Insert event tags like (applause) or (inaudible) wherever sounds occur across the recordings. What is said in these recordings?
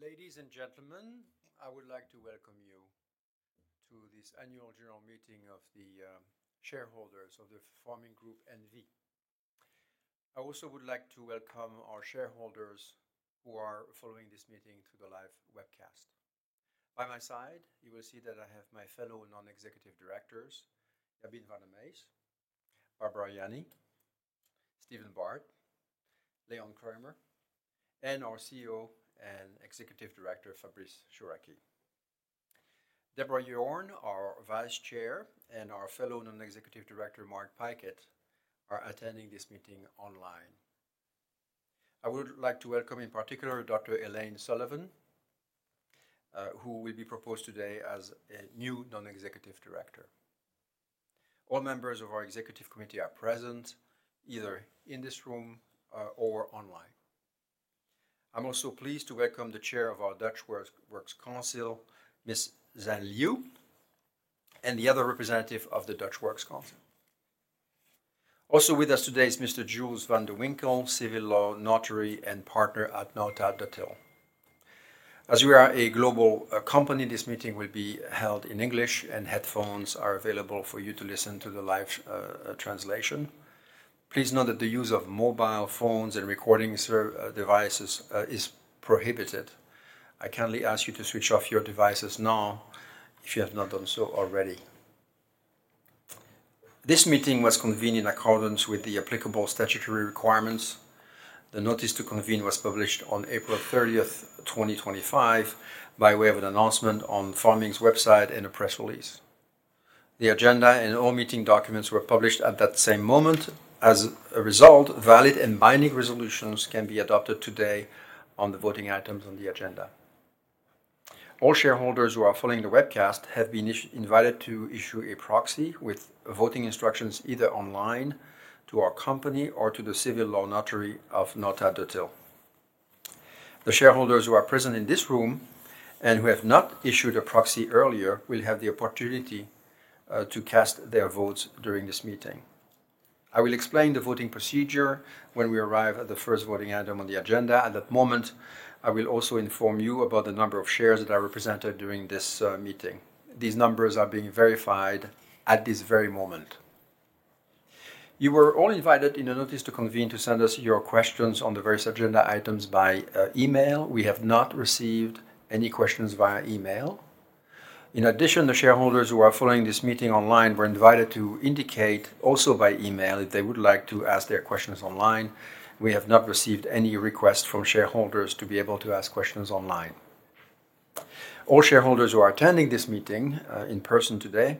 Ladies and gentlemen, I would like to welcome you to this annual general meeting of the shareholders of Pharming Group N.V. I also would like to welcome our shareholders who are following this meeting through the live webcast. By my side, you will see that I have my fellow non-executive directors, Jabine van der Meijs, Barbara Yanni, Steven Barr, Leon Kramer, and our CEO and executive director, Fabrice Chouraqui. Deborah Yorn, our vice chair, and our fellow non-executive director, Mark Pickett, are attending this meeting online. I would like to welcome in particular Dr. Elaine Sullivan, who will be proposed today as a new non-executive director. All members of our executive committee are present, either in this room or online. I'm also pleased to welcome the chair of our Dutch Works Council, Ms. Zhen Liu, and the other representatives of the Dutch Works Council. Also with us today is Mr. Jules van der Winkel, civil law notary and partner at NautaDutilh. As we are a global company, this meeting will be held in English, and headphones are available for you to listen to the live translation. Please note that the use of mobile phones and recording devices is prohibited. I kindly ask you to switch off your devices now if you have not done so already. This meeting was convened in accordance with the applicable statutory requirements. The notice to convene was published on April 30, 2025, by way of an announcement on Pharming's website and a press release. The agenda and all meeting documents were published at that same moment. As a result, valid and binding resolutions can be adopted today on the voting items on the agenda. All shareholders who are following the webcast have been invited to issue a proxy with voting instructions either online to our company or to the civil law notary of NautaDutilh. The shareholders who are present in this room and who have not issued a proxy earlier will have the opportunity to cast their votes during this meeting. I will explain the voting procedure when we arrive at the first voting item on the agenda. At that moment, I will also inform you about the number of shares that are represented during this meeting. These numbers are being verified at this very moment. You were all invited in a notice to convene to send us your questions on the various agenda items by email. We have not received any questions via email. In addition, the shareholders who are following this meeting online were invited to indicate also by email if they would like to ask their questions online. We have not received any requests from shareholders to be able to ask questions online. All shareholders who are attending this meeting in person today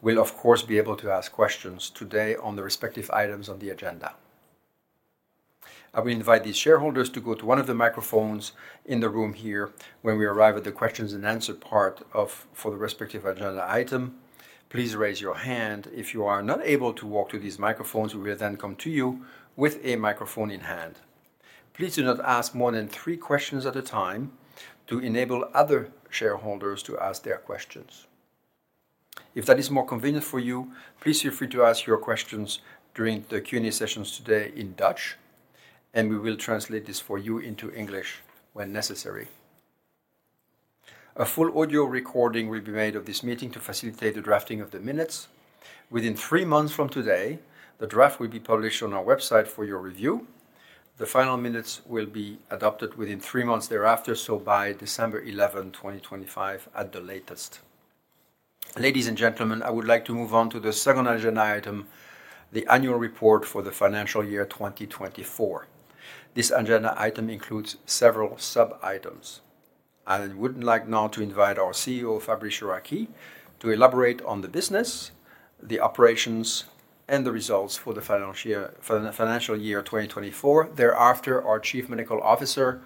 will, of course, be able to ask questions today on the respective items on the agenda. I will invite these shareholders to go to one of the microphones in the room here when we arrive at the questions and answer part for the respective agenda item. Please raise your hand. If you are not able to walk to these microphones, we will then come to you with a microphone in hand. Please do not ask more than three questions at a time to enable other shareholders to ask their questions. If that is more convenient for you, please feel free to ask your questions during the Q&A sessions today in Dutch, and we will translate this for you into English when necessary. A full audio recording will be made of this meeting to facilitate the drafting of the minutes. Within three months from today, the draft will be published on our website for your review. The final minutes will be adopted within three months thereafter, so by December 11, 2025 at the latest. Ladies and gentlemen, I would like to move on to the second agenda item, the annual report for the financial year 2024. This agenda item includes several sub-items. I would like now to invite our CEO, Fabrice Chouraqui, to elaborate on the business, the operations, and the results for the financial year 2024. Thereafter, our Chief Medical Officer,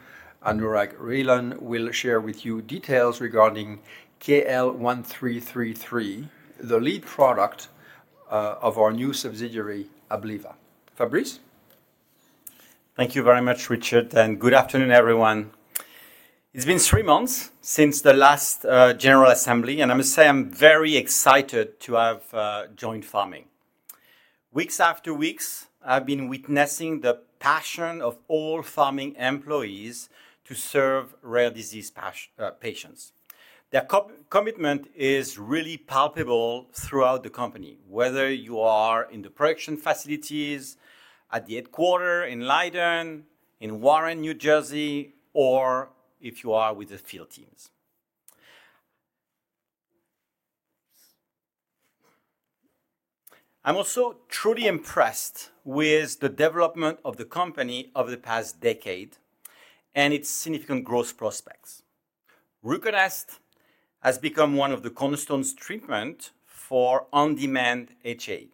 Anurag Relan, will share with you details regarding KL1333, the lead product of our new subsidiary, Abliva. Fabrice? Thank you very much, Richard, and good afternoon, everyone. It's been three months since the last general assembly, and I must say I'm very excited to have joined Pharming. Week after week, I've been witnessing the passion of all Pharming employees to serve rare disease patients. Their commitment is really palpable throughout the company, whether you are in the production facilities, at the headquarters in Leiden, in Warren, New Jersey, or if you are with the field teams. I'm also truly impressed with the development of the company over the past decade and its significant growth prospects. RUCONEST has become one of the cornerstone treatments for on-demand HA.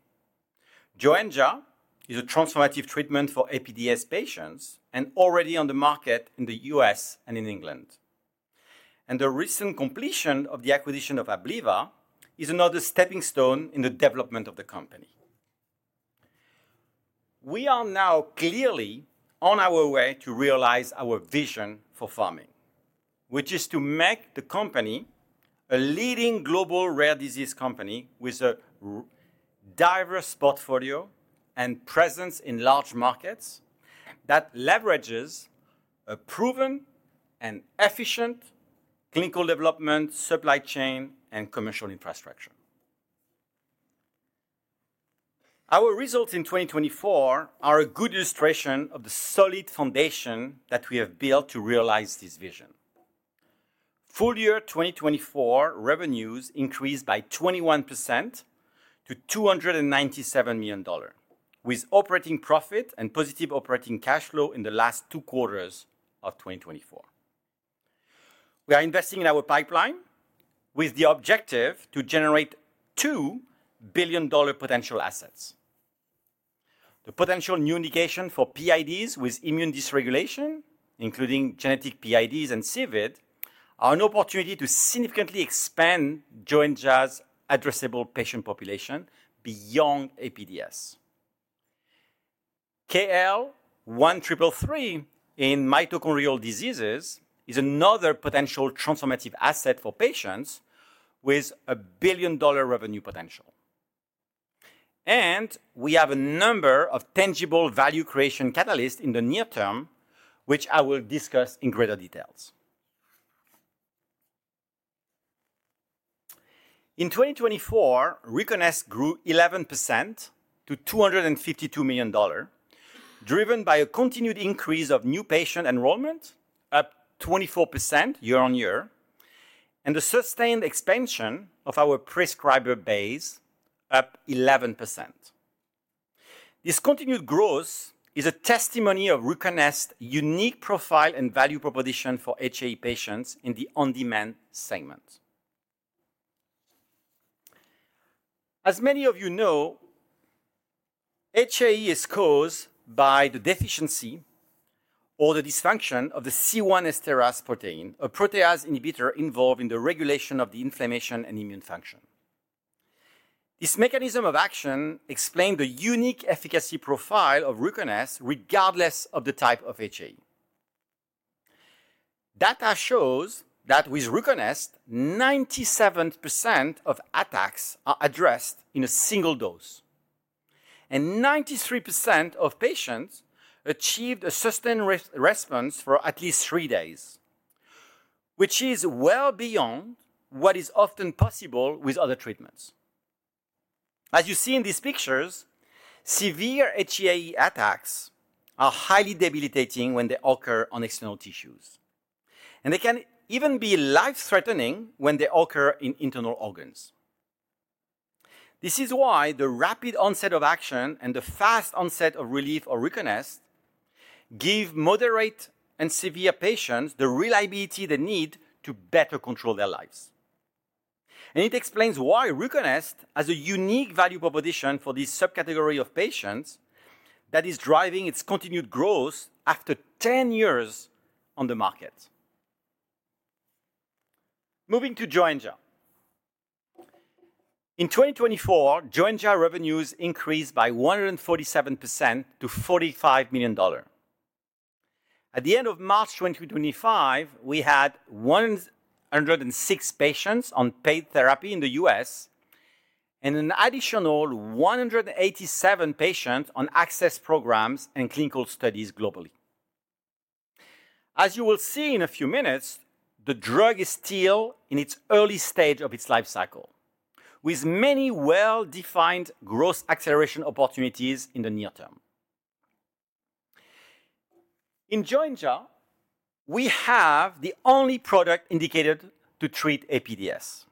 Joenja is a transformative treatment for APDS patients and already on the market in the US and in the UK. The recent completion of the acquisition of Abliva is another stepping stone in the development of the company. We are now clearly on our way to realize our vision for Pharming, which is to make the company a leading global rare disease company with a diverse portfolio and presence in large markets that leverages a proven and efficient clinical development, supply chain, and commercial infrastructure. Our results in 2024 are a good illustration of the solid foundation that we have built to realize this vision. Full year 2024 revenues increased by 21% to $297 million, with operating profit and positive operating cash flow in the last two quarters of 2024. We are investing in our pipeline with the objective to generate $2 billion potential assets. The potential new indication for PIDs with immune dysregulation, including genetic PIDs and CVID, are an opportunity to significantly expand Joenja's addressable patient population beyond APDS. KL1333 in mitochondrial diseases is another potential transformative asset for patients with a billion-dollar revenue potential. We have a number of tangible value creation catalysts in the near term, which I will discuss in greater detail. In 2024, RUCONEST grew 11% to $252 million, driven by a continued increase of new patient enrollment up 24% year-on-year and the sustained expansion of our prescriber base up 11%. This continued growth is a testimony of RUCONEST's unique profile and value proposition for HA patients in the on-demand segment. As many of you know, HA is caused by the deficiency or the dysfunction of the C1 esterase protein, a protease inhibitor involved in the regulation of inflammation and immune function. This mechanism of action explains the unique efficacy profile of RUCONEST regardless of the type of HA. Data shows that with RUCONEST, 97% of attacks are addressed in a single dose, and 93% of patients achieved a sustained response for at least three days, which is well beyond what is often possible with other treatments. As you see in these pictures, severe HA attacks are highly debilitating when they occur on external tissues, and they can even be life-threatening when they occur in internal organs. This is why the rapid onset of action and the fast onset of relief of RUCONEST give moderate and severe patients the reliability they need to better control their lives. It explains why RUCONEST has a unique value proposition for this subcategory of patients that is driving its continued growth after 10 years on the market. Moving to Joenja. In 2024, Joenja revenues increased by 147% to $45 million. At the end of March 2025, we had 106 patients on paid therapy in the US and an additional 187 patients on access programs and clinical studies globally. As you will see in a few minutes, the drug is still in its early stage of its life cycle, with many well-defined growth acceleration opportunities in the near term. In Joenja, we have the only product indicated to treat APDS.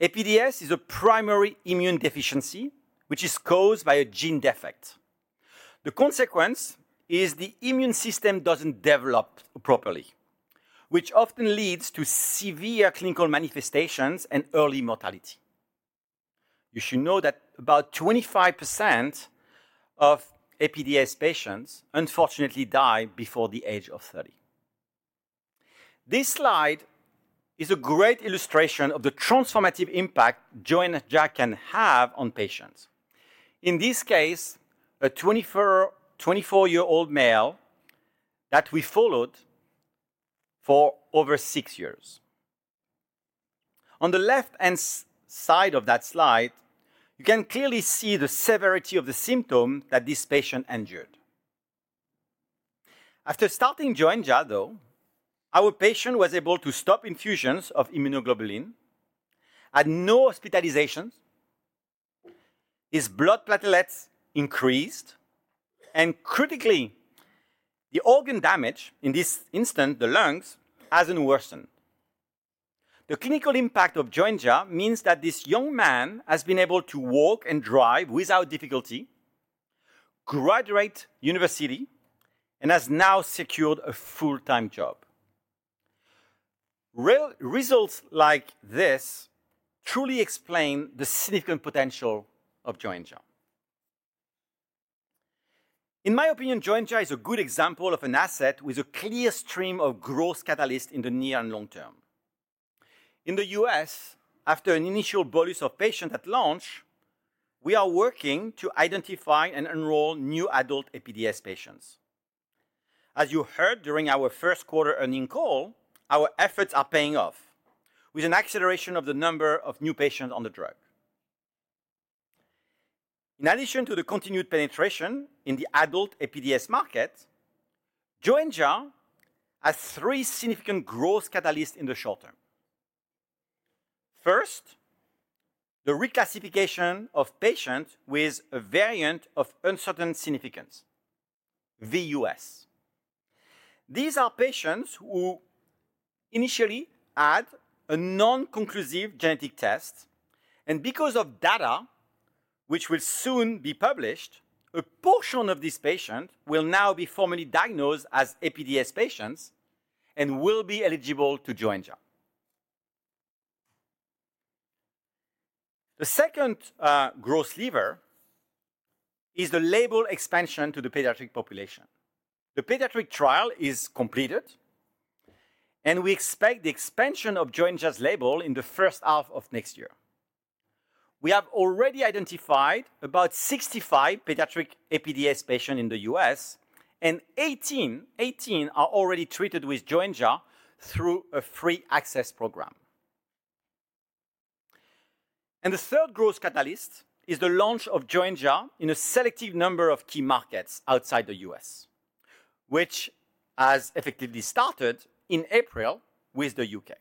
APDS is a primary immune deficiency, which is caused by a gene defect. The consequence is the immune system doesn't develop properly, which often leads to severe clinical manifestations and early mortality. You should know that about 25% of APDS patients unfortunately die before the age of 30. This slide is a great illustration of the transformative impact Joenja can have on patients. In this case, a 24-year-old male that we followed for over six years. On the left-hand side of that slide, you can clearly see the severity of the symptom that this patient endured. After starting Joenja, our patient was able to stop infusions of immunoglobulin, had no hospitalizations, his blood platelets increased, and critically, the organ damage in this instance, the lungs, has not worsened. The clinical impact of Joenja means that this young man has been able to walk and drive without difficulty, graduate university, and has now secured a full-time job. Results like this truly explain the significant potential of Joenja. In my opinion, Joenja is a good example of an asset with a clear stream of growth catalyst in the near and long term. In the US, after an initial bolus of patients at launch, we are working to identify and enroll new adult APDS patients. As you heard during our first quarter earning call, our efforts are paying off with an acceleration of the number of new patients on the drug. In addition to the continued penetration in the adult APDS market, Joenja has three significant growth catalysts in the short term. First, the reclassification of patients with a variant of uncertain significance, VUS. These are patients who initially had a non-conclusive genetic test, and because of data, which will soon be published, a portion of these patients will now be formally diagnosed as APDS patients and will be eligible to Joenja. The second growth lever is the label expansion to the pediatric population. The pediatric trial is completed, and we expect the expansion of Joenja's label in the first half of next year. We have already identified about 65 pediatric APDS patients in the U.S., and 18 are already treated with Joenja through a free access program. The third growth catalyst is the launch of Joenja in a selective number of key markets outside the U.S., which has effectively started in April with the UK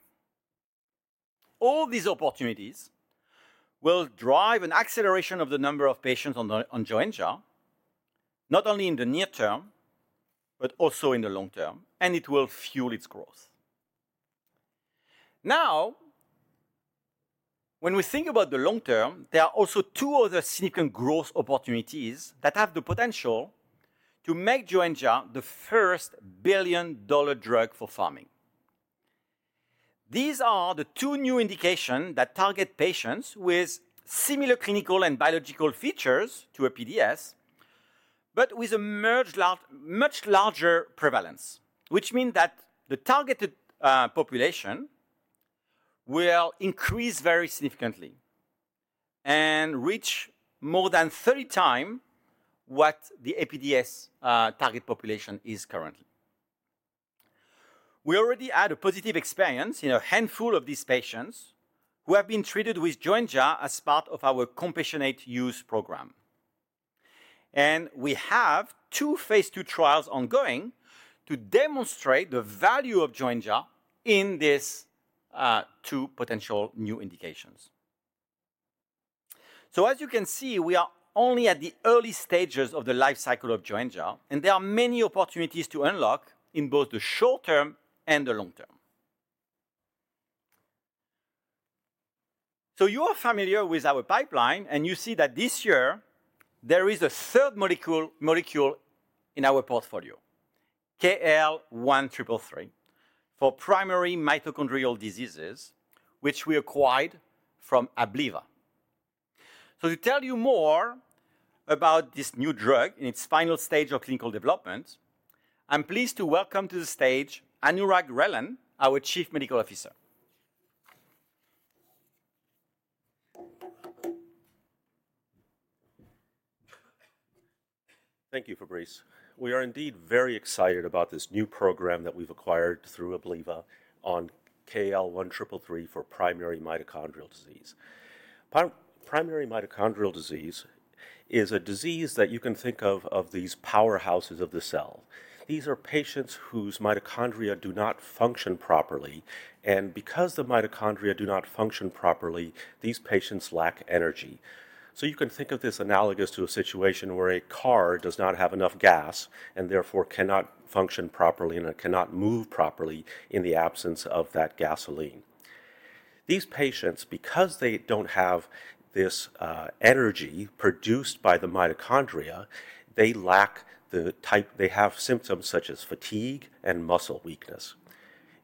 All these opportunities will drive an acceleration of the number of patients on Joenja, not only in the near term, but also in the long term, and it will fuel its growth. Now, when we think about the long term, there are also two other significant growth opportunities that have the potential to make Joenja the first billion-dollar drug for Pharming. These are the two new indications that target patients with similar clinical and biological features to APDS, but with a much larger prevalence, which means that the targeted population will increase very significantly and reach more than 30 times what the APDS target population is currently. We already had a positive experience in a handful of these patients who have been treated with Joenja as part of our compassionate use program. We have two phase two trials ongoing to demonstrate the value of Joenja in these two potential new indications. As you can see, we are only at the early stages of the life cycle of Joenja, and there are many opportunities to unlock in both the short term and the long term. You are familiar with our pipeline, and you see that this year, there is a third molecule in our portfolio, KL1333, for primary mitochondrial diseases, which we acquired from Abliva. To tell you more about this new drug in its final stage of clinical development, I'm pleased to welcome to the stage Anurag Relan, our Chief Medical Officer. Thank you, Fabrice. We are indeed very excited about this new program that we've acquired through Abliva on KL1333 for primary mitochondrial disease. Primary mitochondrial disease is a disease that you can think of as these powerhouses of the cell. These are patients whose mitochondria do not function properly, and because the mitochondria do not function properly, these patients lack energy. You can think of this analogous to a situation where a car does not have enough gas and therefore cannot function properly and cannot move properly in the absence of that gasoline. These patients, because they don't have this energy produced by the mitochondria, they lack the type they have symptoms such as fatigue and muscle weakness.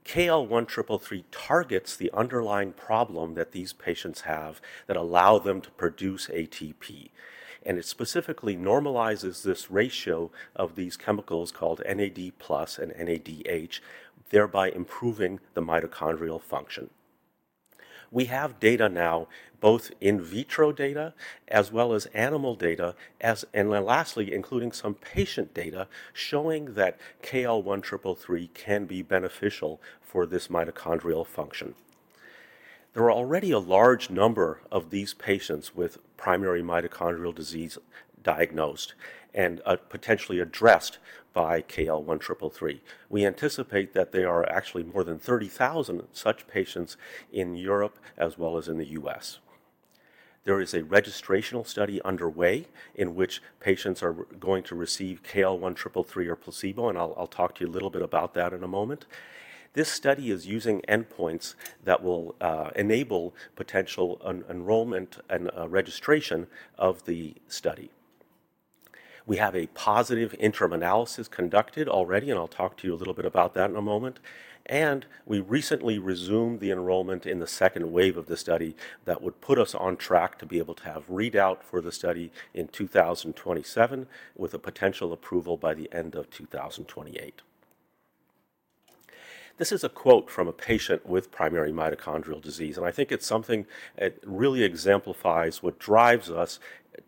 KL1333 targets the underlying problem that these patients have that allows them to produce ATP, and it specifically normalizes this ratio of these chemicals called NAD+ and NADH, thereby improving the mitochondrial function. We have data now, both in vitro data as well as animal data, and lastly, including some patient data showing that KL1333 can be beneficial for this mitochondrial function. There are already a large number of these patients with primary mitochondrial disease diagnosed and potentially addressed by KL1333. We anticipate that there are actually more than 30,000 such patients in Europe as well as in the US. There is a registrational study underway in which patients are going to receive KL1333 or placebo, and I'll talk to you a little bit about that in a moment. This study is using endpoints that will enable potential enrollment and registration of the study. We have a positive interim analysis conducted already, and I'll talk to you a little bit about that in a moment. We recently resumed the enrollment in the second wave of the study that would put us on track to be able to have readout for the study in 2027 with a potential approval by the end of 2028. This is a quote from a patient with primary mitochondrial disease, and I think it's something that really exemplifies what drives us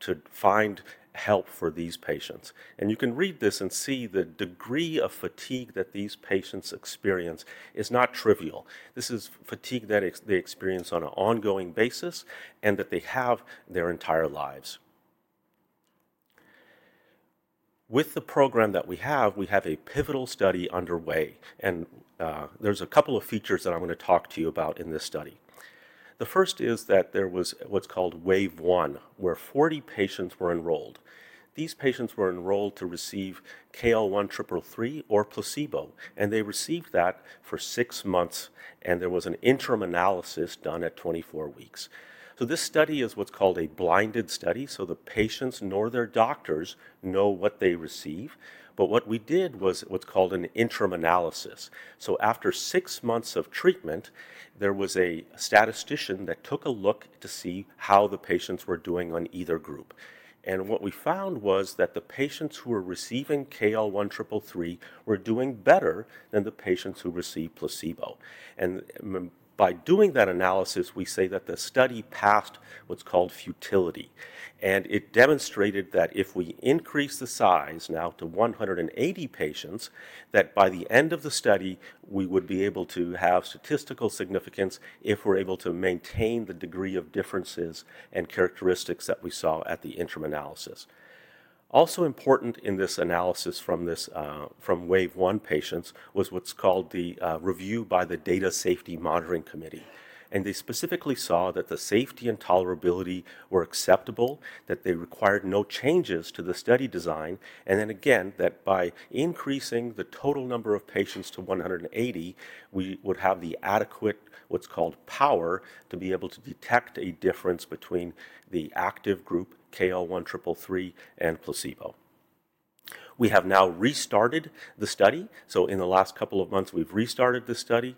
to find help for these patients. You can read this and see the degree of fatigue that these patients experience is not trivial. This is fatigue that they experience on an ongoing basis and that they have their entire lives. With the program that we have, we have a pivotal study underway, and there's a couple of features that I'm going to talk to you about in this study. The first is that there was what's called wave one, where 40 patients were enrolled. These patients were enrolled to receive KL1333 or placebo, and they received that for six months, and there was an interim analysis done at 24 weeks. This study is what's called a blinded study, so the patients nor their doctors know what they receive, but what we did was what's called an interim analysis. After six months of treatment, there was a statistician that took a look to see how the patients were doing on either group. What we found was that the patients who were receiving KL1333 were doing better than the patients who received placebo. By doing that analysis, we say that the study passed what's called futility, and it demonstrated that if we increase the size now to 180 patients, that by the end of the study, we would be able to have statistical significance if we're able to maintain the degree of differences and characteristics that we saw at the interim analysis. Also important in this analysis from wave one patients was what's called the review by the Data Safety Monitoring Committee, and they specifically saw that the safety and tolerability were acceptable, that they required no changes to the study design, and then again, that by increasing the total number of patients to 180, we would have the adequate what's called power to be able to detect a difference between the active group KL1333 and placebo. We have now restarted the study, so in the last couple of months, we've restarted the study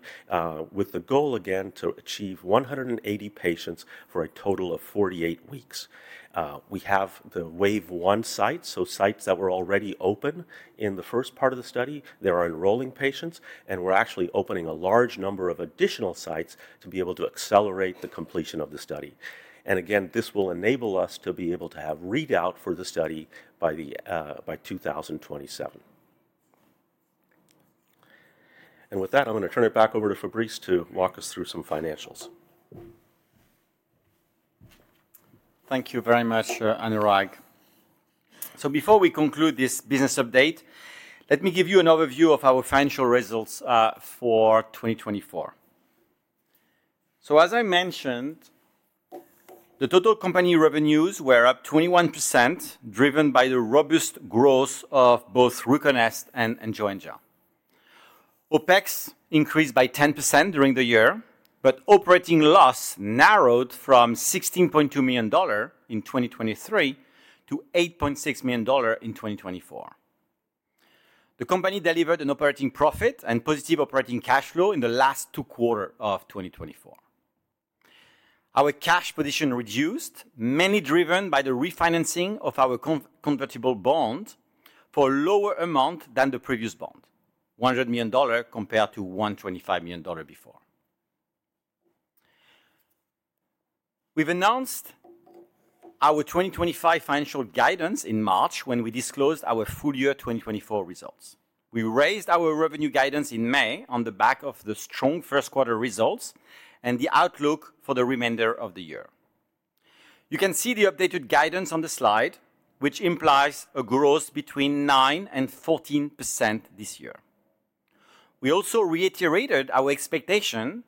with the goal again to achieve 180 patients for a total of 48 weeks. We have the wave one sites, so sites that were already open in the first part of the study. They are enrolling patients, and we're actually opening a large number of additional sites to be able to accelerate the completion of the study. This will enable us to be able to have readout for the study by 2027. With that, I'm going to turn it back over to Fabrice to walk us through some financials. Thank you very much, Anurag. Before we conclude this business update, let me give you an overview of our financial results for 2024. As I mentioned, the total company revenues were up 21%, driven by the robust growth of both RUCONEST and Joenja. OpEx increased by 10% during the year, but operating loss narrowed from $16.2 million in 2023 to $8.6 million in 2024. The company delivered an operating profit and positive operating cash flow in the last two quarters of 2024. Our cash position reduced, mainly driven by the refinancing of our convertible bond for a lower amount than the previous bond, $100 million compared to $125 million before. We have announced our 2025 financial guidance in March when we disclosed our full year 2024 results. We raised our revenue guidance in May on the back of the strong first quarter results and the outlook for the remainder of the year. You can see the updated guidance on the slide, which implies a growth between 9% and 14% this year. We also reiterated our expectation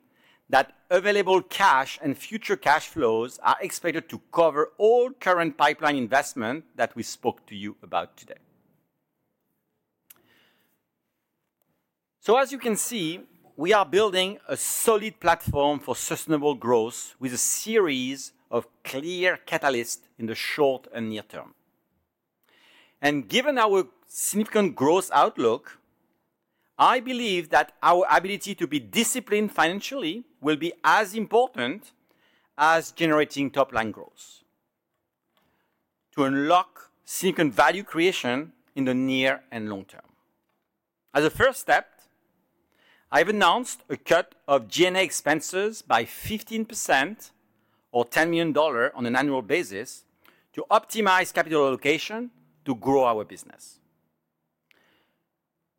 that available cash and future cash flows are expected to cover all current pipeline investment that we spoke to you about today. As you can see, we are building a solid platform for sustainable growth with a series of clear catalysts in the short and near term. Given our significant growth outlook, I believe that our ability to be disciplined financially will be as important as generating top-line growth to unlock significant value creation in the near and long term. As a first step, I've announced a cut of G&A expenses by 15% or $10 million on an annual basis to optimize capital allocation to grow our business.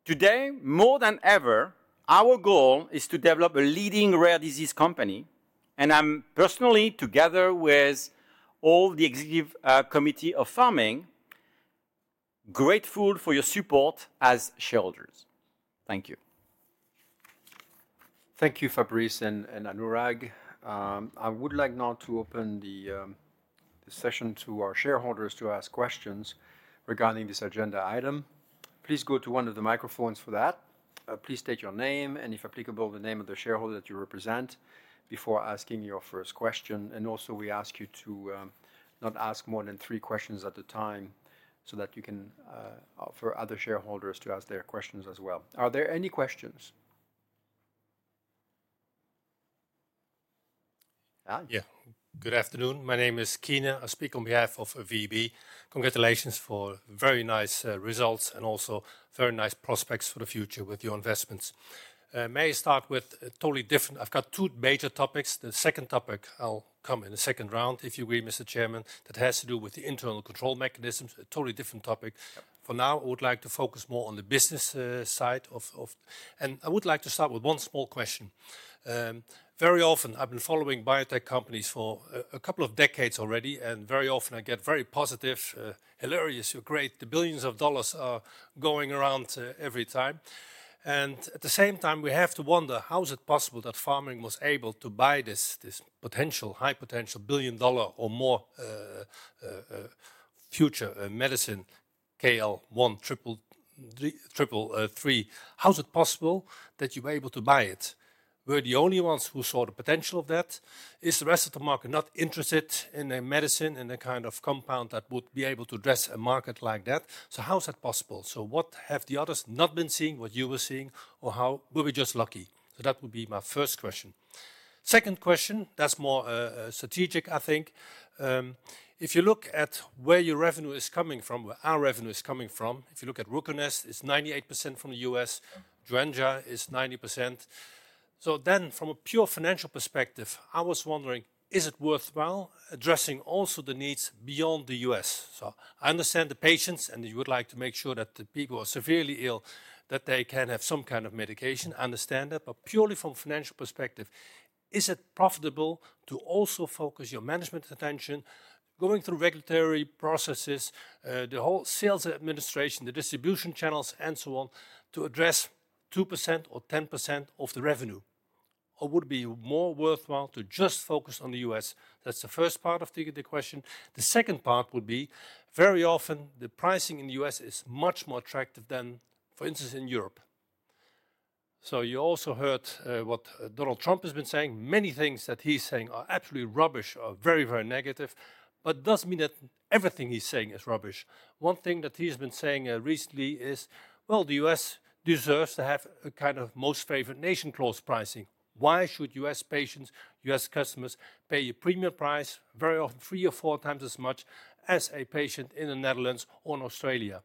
Today, more than ever, our goal is to develop a leading rare disease company, and I'm personally, together with all the executive committee of Pharming, grateful for your support as shareholders. Thank you. Thank you, Fabrice and Anurag. I would like now to open the session to our shareholders to ask questions regarding this agenda item. Please go to one of the microphones for that. Please state your name and, if applicable, the name of the shareholder that you represent before asking your first question. Also, we ask you to not ask more than three questions at a time so that you can offer other shareholders to ask their questions as well. Are there any questions? Yeah. Good afternoon. My name is Keenan. I speak on behalf of VB. Congratulations for very nice results and also very nice prospects for the future with your investments. May I start with a totally different? I've got two major topics. The second topic, I'll come in the second round, if you agree, Mr. Chairman, that has to do with the internal control mechanisms, a totally different topic. For now, I would like to focus more on the business side of, and I would like to start with one small question. Very often, I've been following biotech companies for a couple of decades already, and very often I get very positive, hilarious, you're great, the billions of dollars are going around every time. At the same time, we have to wonder, how is it possible that Pharming was able to buy this potential, high potential, billion dollar or more future medicine, KL1333? How is it possible that you were able to buy it? Were we the only ones who saw the potential of that? Is the rest of the market not interested in a medicine, in a kind of compound that would be able to address a market like that? How is that possible? What have the others not been seeing, what you were seeing, or were we just lucky? That would be my first question. Second question, that's more strategic, I think. If you look at where your revenue is coming from, where our revenue is coming from, if you look at RUCONEST, it's 98% from the U.S., Joenja is 90%. Then, from a pure financial perspective, I was wondering, is it worthwhile addressing also the needs beyond the U.S.? I understand the patients, and you would like to make sure that the people who are severely ill, that they can have some kind of medication, I understand that, but purely from a financial perspective, is it profitable to also focus your management attention, going through regulatory processes, the whole sales administration, the distribution channels, and so on, to address 2% or 10% of the revenue? Would it be more worthwhile to just focus on the U.S.? That's the first part of the question. The second part would be, very often, the pricing in the U.S. is much more attractive than, for instance, in Europe. You also heard what Donald Trump has been saying. Many things that he's saying are absolutely rubbish or very, very negative, but it doesn't mean that everything he's saying is rubbish. One thing that he's been saying recently is the U.S. deserves to have a kind of most favored nation clause pricing. Why should U.S. patients, U.S. customers pay a premium price, very often three or four times as much as a patient in the Netherlands or in Australia?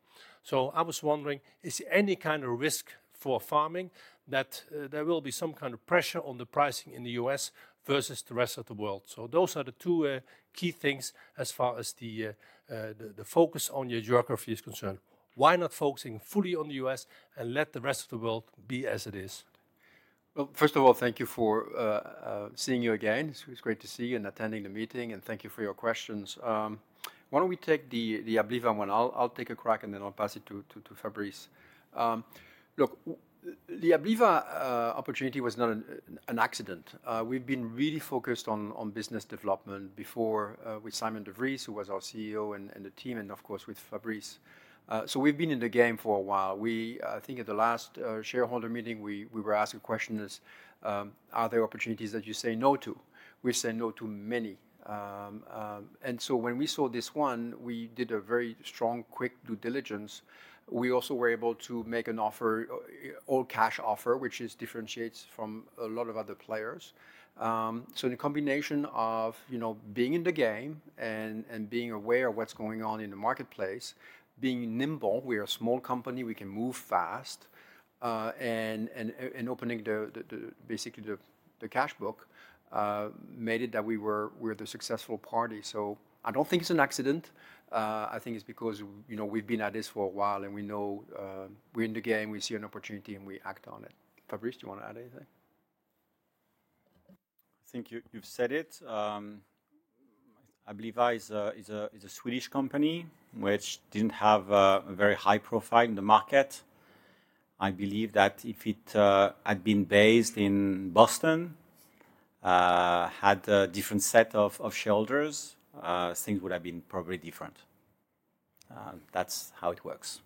I was wondering, is there any kind of risk for Pharming that there will be some kind of pressure on the pricing in the U.S. versus the rest of the world? Those are the two key things as far as the focus on your geography is concerned. Why not focus fully on the U.S. and let the rest of the world be as it is? First of all, thank you for seeing you again. It's great to see you and attending the meeting, and thank you for your questions. Why don't we take the Abliva one? I'll take a crack and then I'll pass it to Fabrice. Look, the Abliva opportunity was not an accident. We've been really focused on business development before with Simon de Vries, who was our CEO and the team, and of course with Fabrice. We've been in the game for a while. I think at the last shareholder meeting, we were asked a question as, are there opportunities that you say no to? We say no to many. When we saw this one, we did a very strong, quick due diligence. We also were able to make an offer, all cash offer, which differentiates from a lot of other players. In a combination of being in the game and being aware of what's going on in the marketplace, being nimble, we are a small company, we can move fast, and opening basically the cash book made it that we were the successful party. I do not think it is an accident. I think it is because we have been at this for a while and we know we are in the game, we see an opportunity and we act on it. Fabrice, do you want to add anything? I think you've said it. Abliva is a Swedish company which didn't have a very high profile in the market. I believe that if it had been based in Boston, had a different set of shareholders, things would have been probably different. That's how it works.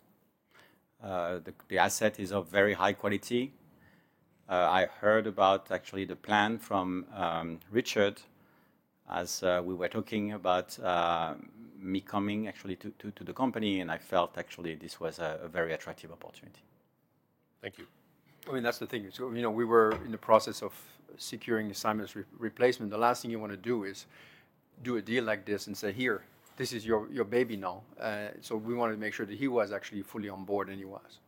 The asset is of very high quality. I heard about actually the plan from Richard as we were talking about me coming actually to the company, and I felt actually this was a very attractive opportunity. Thank you. I mean, that's the thing. We were in the process of securing Simon's replacement. The last thing you want to do is do a deal like this and say, "Here, this is your baby now." We wanted to make sure that he was actually fully on board and he was.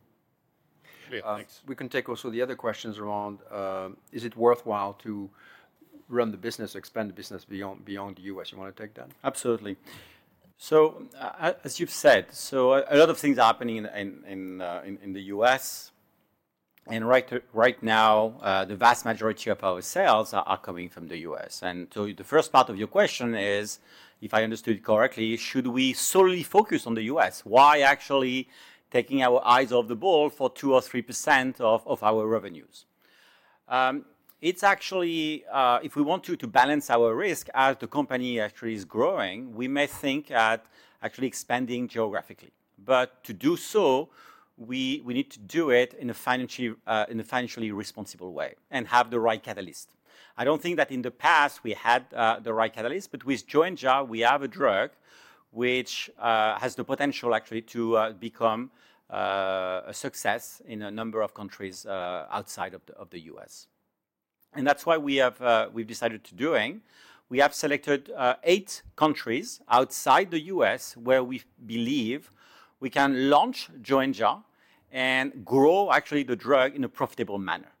Great. Thanks. We can take also the other questions around, is it worthwhile to run the business, expand the business beyond the US? You want to take that? Absolutely. As you have said, a lot of things are happening in the U.S. Right now, the vast majority of our sales are coming from the U.S. The first part of your question is, if I understood correctly, should we solely focus on the U.S.? Why actually take our eyes off the ball for 2%-3% of our revenues? Actually, if we want to balance our risk as the company is growing, we may think about expanding geographically. To do so, we need to do it in a financially responsible way and have the right catalyst. I do not think that in the past we had the right catalyst, but with Joenja, we have a drug which has the potential to become a success in a number of countries outside of the U.S. That is why we have decided to do it. We have selected eight countries outside the US where we believe we can launch Joenja and grow actually the drug in a profitable manner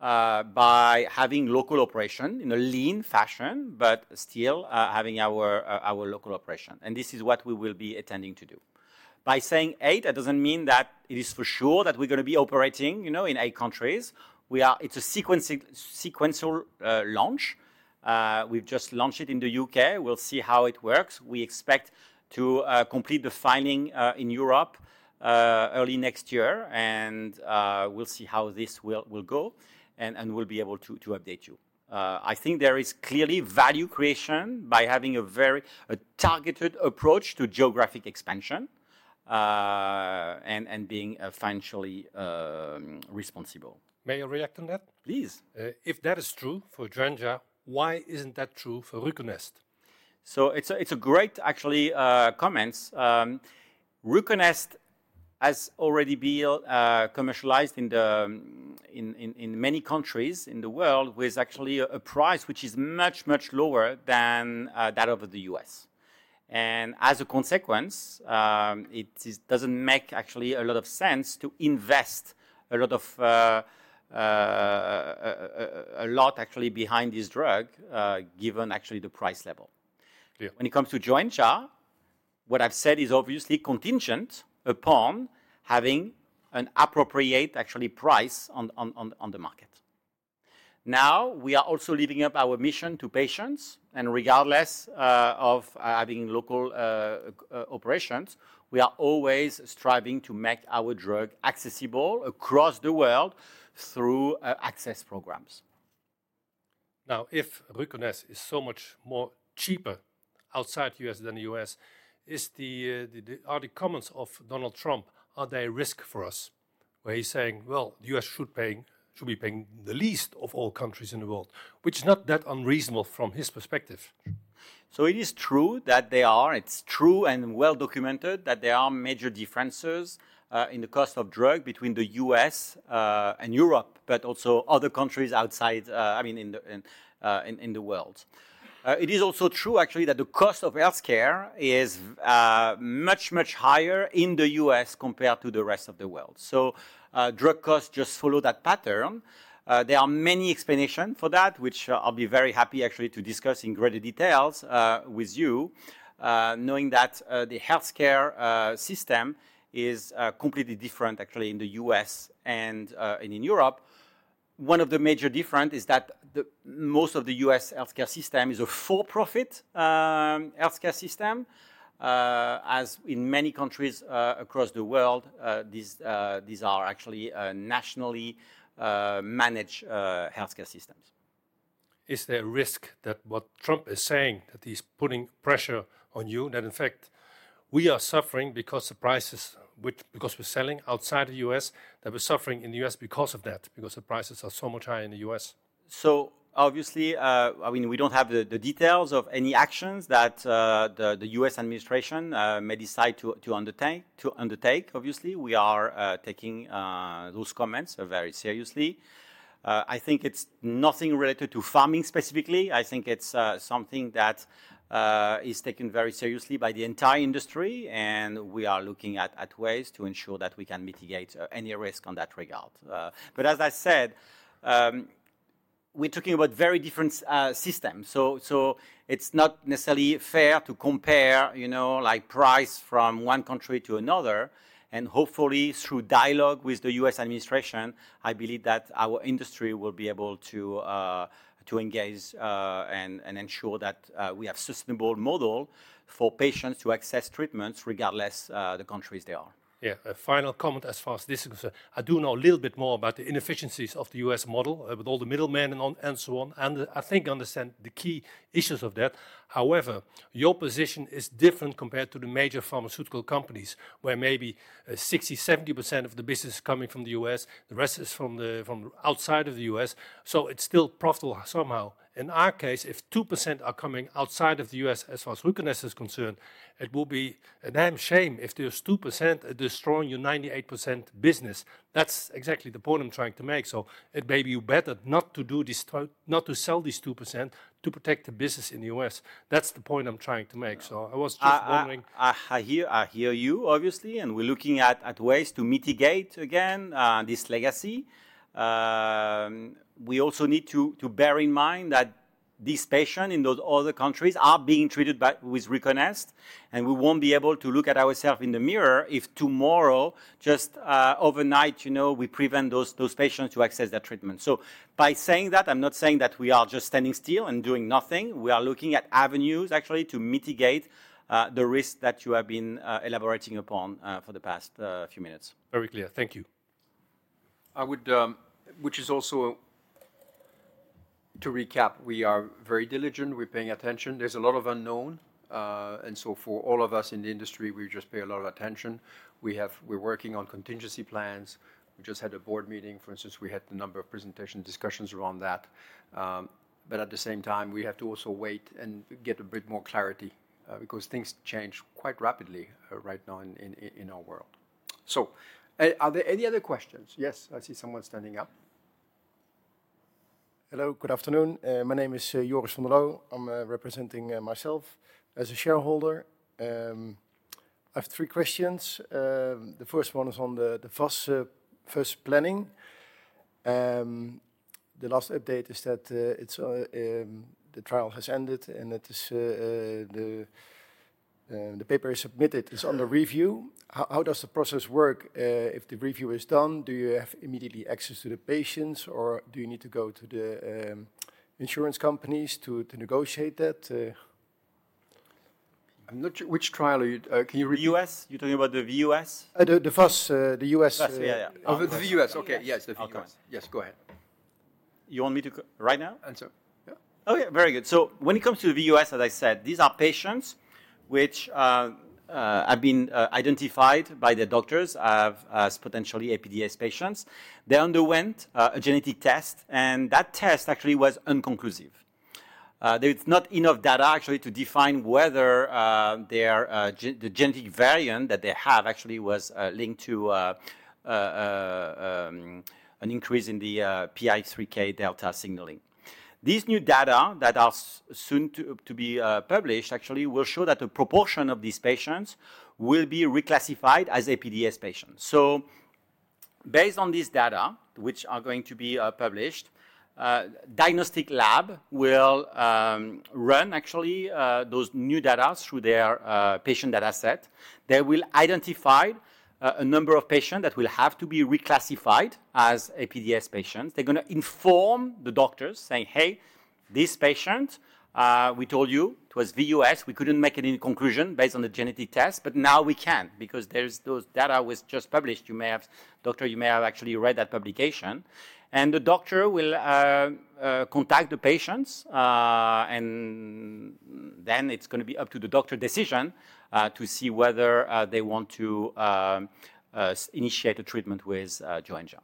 by having local operation in a lean fashion, but still having our local operation. This is what we will be attending to do. By saying eight, that does not mean that it is for sure that we are going to be operating in eight countries. It is a sequential launch. We have just launched it in the UK. We will see how it works. We expect to complete the filing in Europe early next year, and we will see how this will go and we will be able to update you. I think there is clearly value creation by having a very targeted approach to geographic expansion and being financially responsible. May I react on that? Please. If that is true for Joenja, why isn't that true for RUCONEST? It's a great actually comment. RUCONEST has already been commercialized in many countries in the world with actually a price which is much, much lower than that of the US. As a consequence, it doesn't make actually a lot of sense to invest a lot actually behind this drug given actually the price level. When it comes to Joenja, what I've said is obviously contingent upon having an appropriate actually price on the market. Now, we are also living up our mission to patients, and regardless of having local operations, we are always striving to make our drug accessible across the world through access programs. Now, if RUCONEST is so much more cheaper outside the U.S. than the U.S., are the comments of Donald Trump, are they a risk for us? Where he's saying, well, the U.S. should be paying the least of all countries in the world, which is not that unreasonable from his perspective. It is true that they are, it's true and well documented that there are major differences in the cost of drug between the U.S. and Europe, but also other countries outside, I mean, in the world. It is also true actually that the cost of healthcare is much, much higher in the U.S. compared to the rest of the world. Drug costs just follow that pattern. There are many explanations for that, which I'll be very happy actually to discuss in greater detail with you, knowing that the healthcare system is completely different actually in the U.S. and in Europe. One of the major differences is that most of the U.S. healthcare system is a for-profit healthcare system, as in many countries across the world, these are actually nationally managed healthcare systems. Is there a risk that what Trump is saying, that he's putting pressure on you, that in fact we are suffering because of the prices because we're selling outside the U.S., that we're suffering in the U.S. because of that, because the prices are so much higher in the U.S.? Obviously, I mean, we do not have the details of any actions that the U.S. administration may decide to undertake, obviously. We are taking those comments very seriously. I think it is nothing related to Pharming specifically. I think it is something that is taken very seriously by the entire industry, and we are looking at ways to ensure that we can mitigate any risk on that regard. As I said, we are talking about very different systems. It is not necessarily fair to compare price from one country to another, and hopefully through dialogue with the U.S. administration, I believe that our industry will be able to engage and ensure that we have a sustainable model for patients to access treatments regardless of the countries they are. Yeah. A final comment as far as this goes, I do know a little bit more about the inefficiencies of the U.S. model with all the middlemen and so on, and I think I understand the key issues of that. However, your position is different compared to the major pharmaceutical companies where maybe 60%-70% of the business is coming from the U.S., the rest is from outside of the U.S., so it's still profitable somehow. In our case, if 2% are coming outside of the U.S. as far as RUCONEST is concerned, it will be a damn shame if there's 2% destroying your 98% business. That's exactly the point I'm trying to make. It may be better not to do this, not to sell these 2% to protect the business in the U.S. That's the point I'm trying to make. I was just wondering. I hear you, obviously, and we're looking at ways to mitigate again this legacy. We also need to bear in mind that these patients in those other countries are being treated with RUCONEST, and we won't be able to look at ourselves in the mirror if tomorrow, just overnight, we prevent those patients to access that treatment. By saying that, I'm not saying that we are just standing still and doing nothing. We are looking at avenues actually to mitigate the risks that you have been elaborating upon for the past few minutes. Very clear. Thank you. I would, which is also to recap, we are very diligent, we're paying attention. There's a lot of unknown, and for all of us in the industry, we just pay a lot of attention. We're working on contingency plans. We just had a board meeting. For instance, we had a number of presentation discussions around that. At the same time, we have to also wait and get a bit more clarity because things change quite rapidly right now in our world. Are there any other questions? Yes, I see someone standing up. Hello, good afternoon. My name is Joris van der Lan. I'm representing myself as a shareholder. I have three questions. The first one is on the first planning. The last update is that the trial has ended and the paper is submitted, it's under review. How does the process work if the review is done? Do you have immediate access to the patients or do you need to go to the insurance companies to negotiate that? I'm not sure which trial you are talking about? The US? You're talking about the VUS? The VUS. The US, okay. Yes, the VUS. Yes, go ahead. You want me to right now? Answer. Okay, very good. When it comes to the VUS, as I said, these are patients which have been identified by the doctors as potentially APDS patients. They underwent a genetic test, and that test actually was unconclusive. There is not enough data actually to define whether the genetic variant that they have actually was linked to an increase in the PI3K delta signaling. These new data that are soon to be published actually will show that the proportion of these patients will be reclassified as APDS patients. Based on this data, which are going to be published, diagnostic lab will run actually those new data through their patient dataset. They will identify a number of patients that will have to be reclassified as APDS patients. They're going to inform the doctors saying, "Hey, this patient, we told you it was VUS, we couldn't make any conclusion based on the genetic test, but now we can because those data was just published. Doctor, you may have actually read that publication." The doctor will contact the patients, and then it's going to be up to the doctor decision to see whether they want to initiate a treatment with Joenja.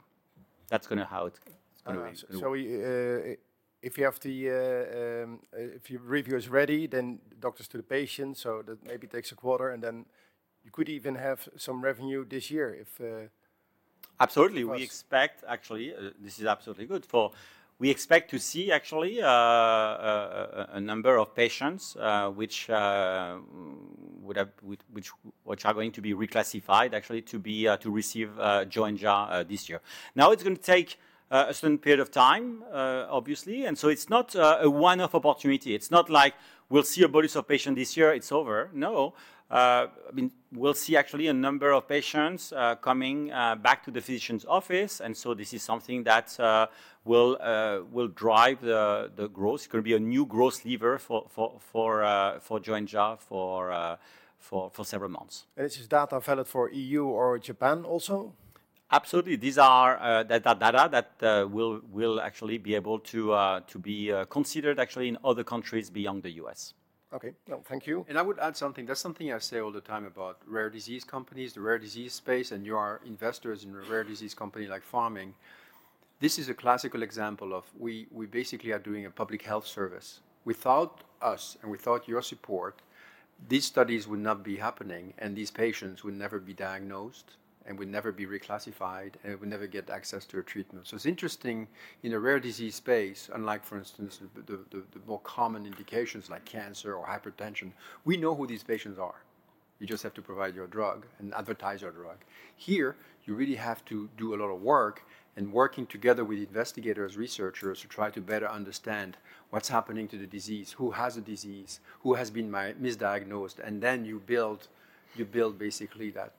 That's going to be how it's going to be. If you have the review is ready, then doctors to the patients, so that maybe takes a quarter and then you could even have some revenue this year if. Absolutely. We expect actually, this is absolutely good. We expect to see actually a number of patients which are going to be reclassified actually to receive Joenja this year. Now, it's going to take a certain period of time, obviously, and so it's not a one-off opportunity. It's not like we'll see a body of patients this year, it's over. No. I mean, we'll see actually a number of patients coming back to the physician's office, and so this is something that will drive the growth. It's going to be a new growth lever for Joenja for several months. Is this data valid for EU or Japan also? Absolutely. These are data that will actually be able to be considered actually in other countries beyond the U.S. Okay. Thank you. I would add something. That is something I say all the time about rare disease companies, the rare disease space, and you are investors in a rare disease company like Pharming. This is a classical example of we basically are doing a public health service. Without us and without your support, these studies would not be happening and these patients would never be diagnosed and would never be reclassified and would never get access to a treatment. It is interesting in a rare disease space, unlike for instance the more common indications like cancer or hypertension, we know who these patients are. You just have to provide your drug and advertise your drug. Here, you really have to do a lot of work and working together with investigators, researchers to try to better understand what's happening to the disease, who has the disease, who has been misdiagnosed, and then you build basically that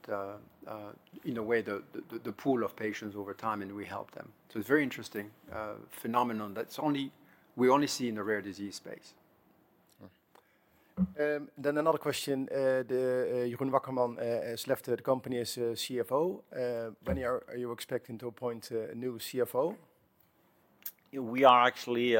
in a way the pool of patients over time and we help them. It is a very interesting phenomenon that we only see in the rare disease space. Another question. Jeroen Wakkerman, Slefter Company is CFO. When are you expecting to appoint a new CFO? We are actually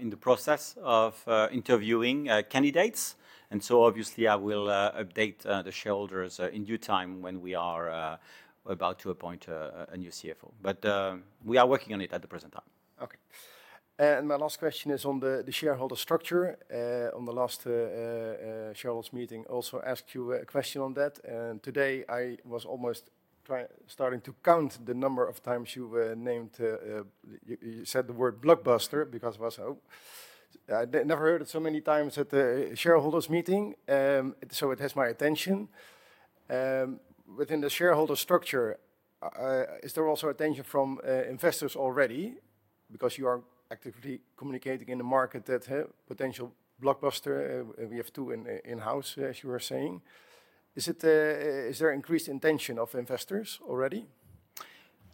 in the process of interviewing candidates, and obviously I will update the shareholders in due time when we are about to appoint a new CFO. We are working on it at the present time. Okay. My last question is on the shareholder structure. At the last shareholders meeting, I also asked you a question on that. Today I was almost starting to count the number of times you said the word blockbuster because I was, oh, I never heard it so many times at the shareholders meeting, so it has my attention. Within the shareholder structure, is there also attention from investors already? You are actively communicating in the market that potential blockbuster, we have two in-house, as you were saying. Is there increased attention of investors already?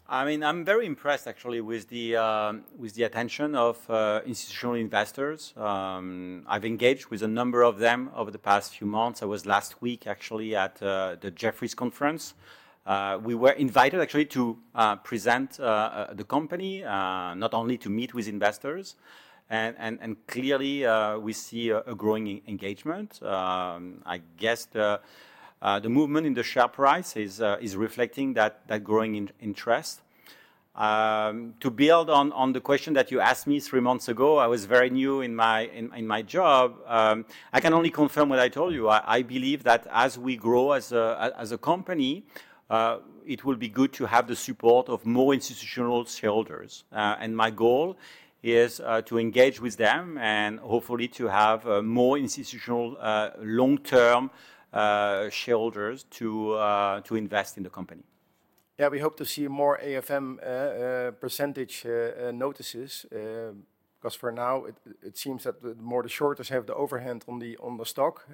I mean, I'm very impressed actually with the attention of institutional investors. I've engaged with a number of them over the past few months. I was last week actually at the Jefferies Conference. We were invited actually to present the company, not only to meet with investors, and clearly we see a growing engagement. I guess the movement in the share price is reflecting that growing interest. To build on the question that you asked me three months ago, I was very new in my job. I can only confirm what I told you. I believe that as we grow as a company, it will be good to have the support of more institutional shareholders. My goal is to engage with them and hopefully to have more institutional long-term shareholders to invest in the company. Yeah, we hope to see more AFM % notices because for now it seems that more the shorters have the overhand on the stock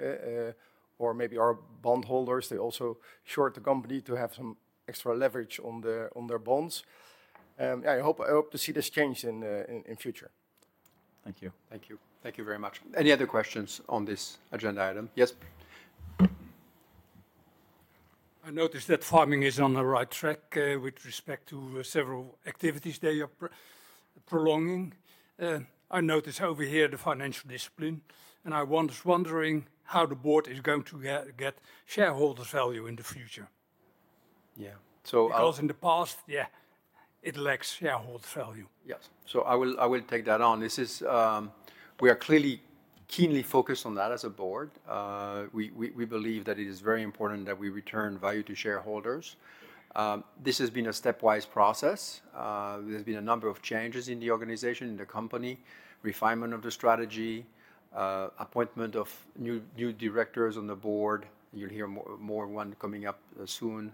or maybe our bondholders, they also short the company to have some extra leverage on their bonds. Yeah, I hope to see this change in the future. Thank you. Thank you. Thank you very much. Any other questions on this agenda item? Yes. I noticed that Pharming is on the right track with respect to several activities they are prolonging. I noticed over here the financial discipline, and I was wondering how the board is going to get shareholders' value in the future. Yeah. Because in the past, yeah, it lacks shareholders' value. Yes. I will take that on. We are clearly keenly focused on that as a board. We believe that it is very important that we return value to shareholders. This has been a stepwise process. There have been a number of changes in the organization, in the company, refinement of the strategy, appointment of new directors on the board. You will hear more, one coming up soon.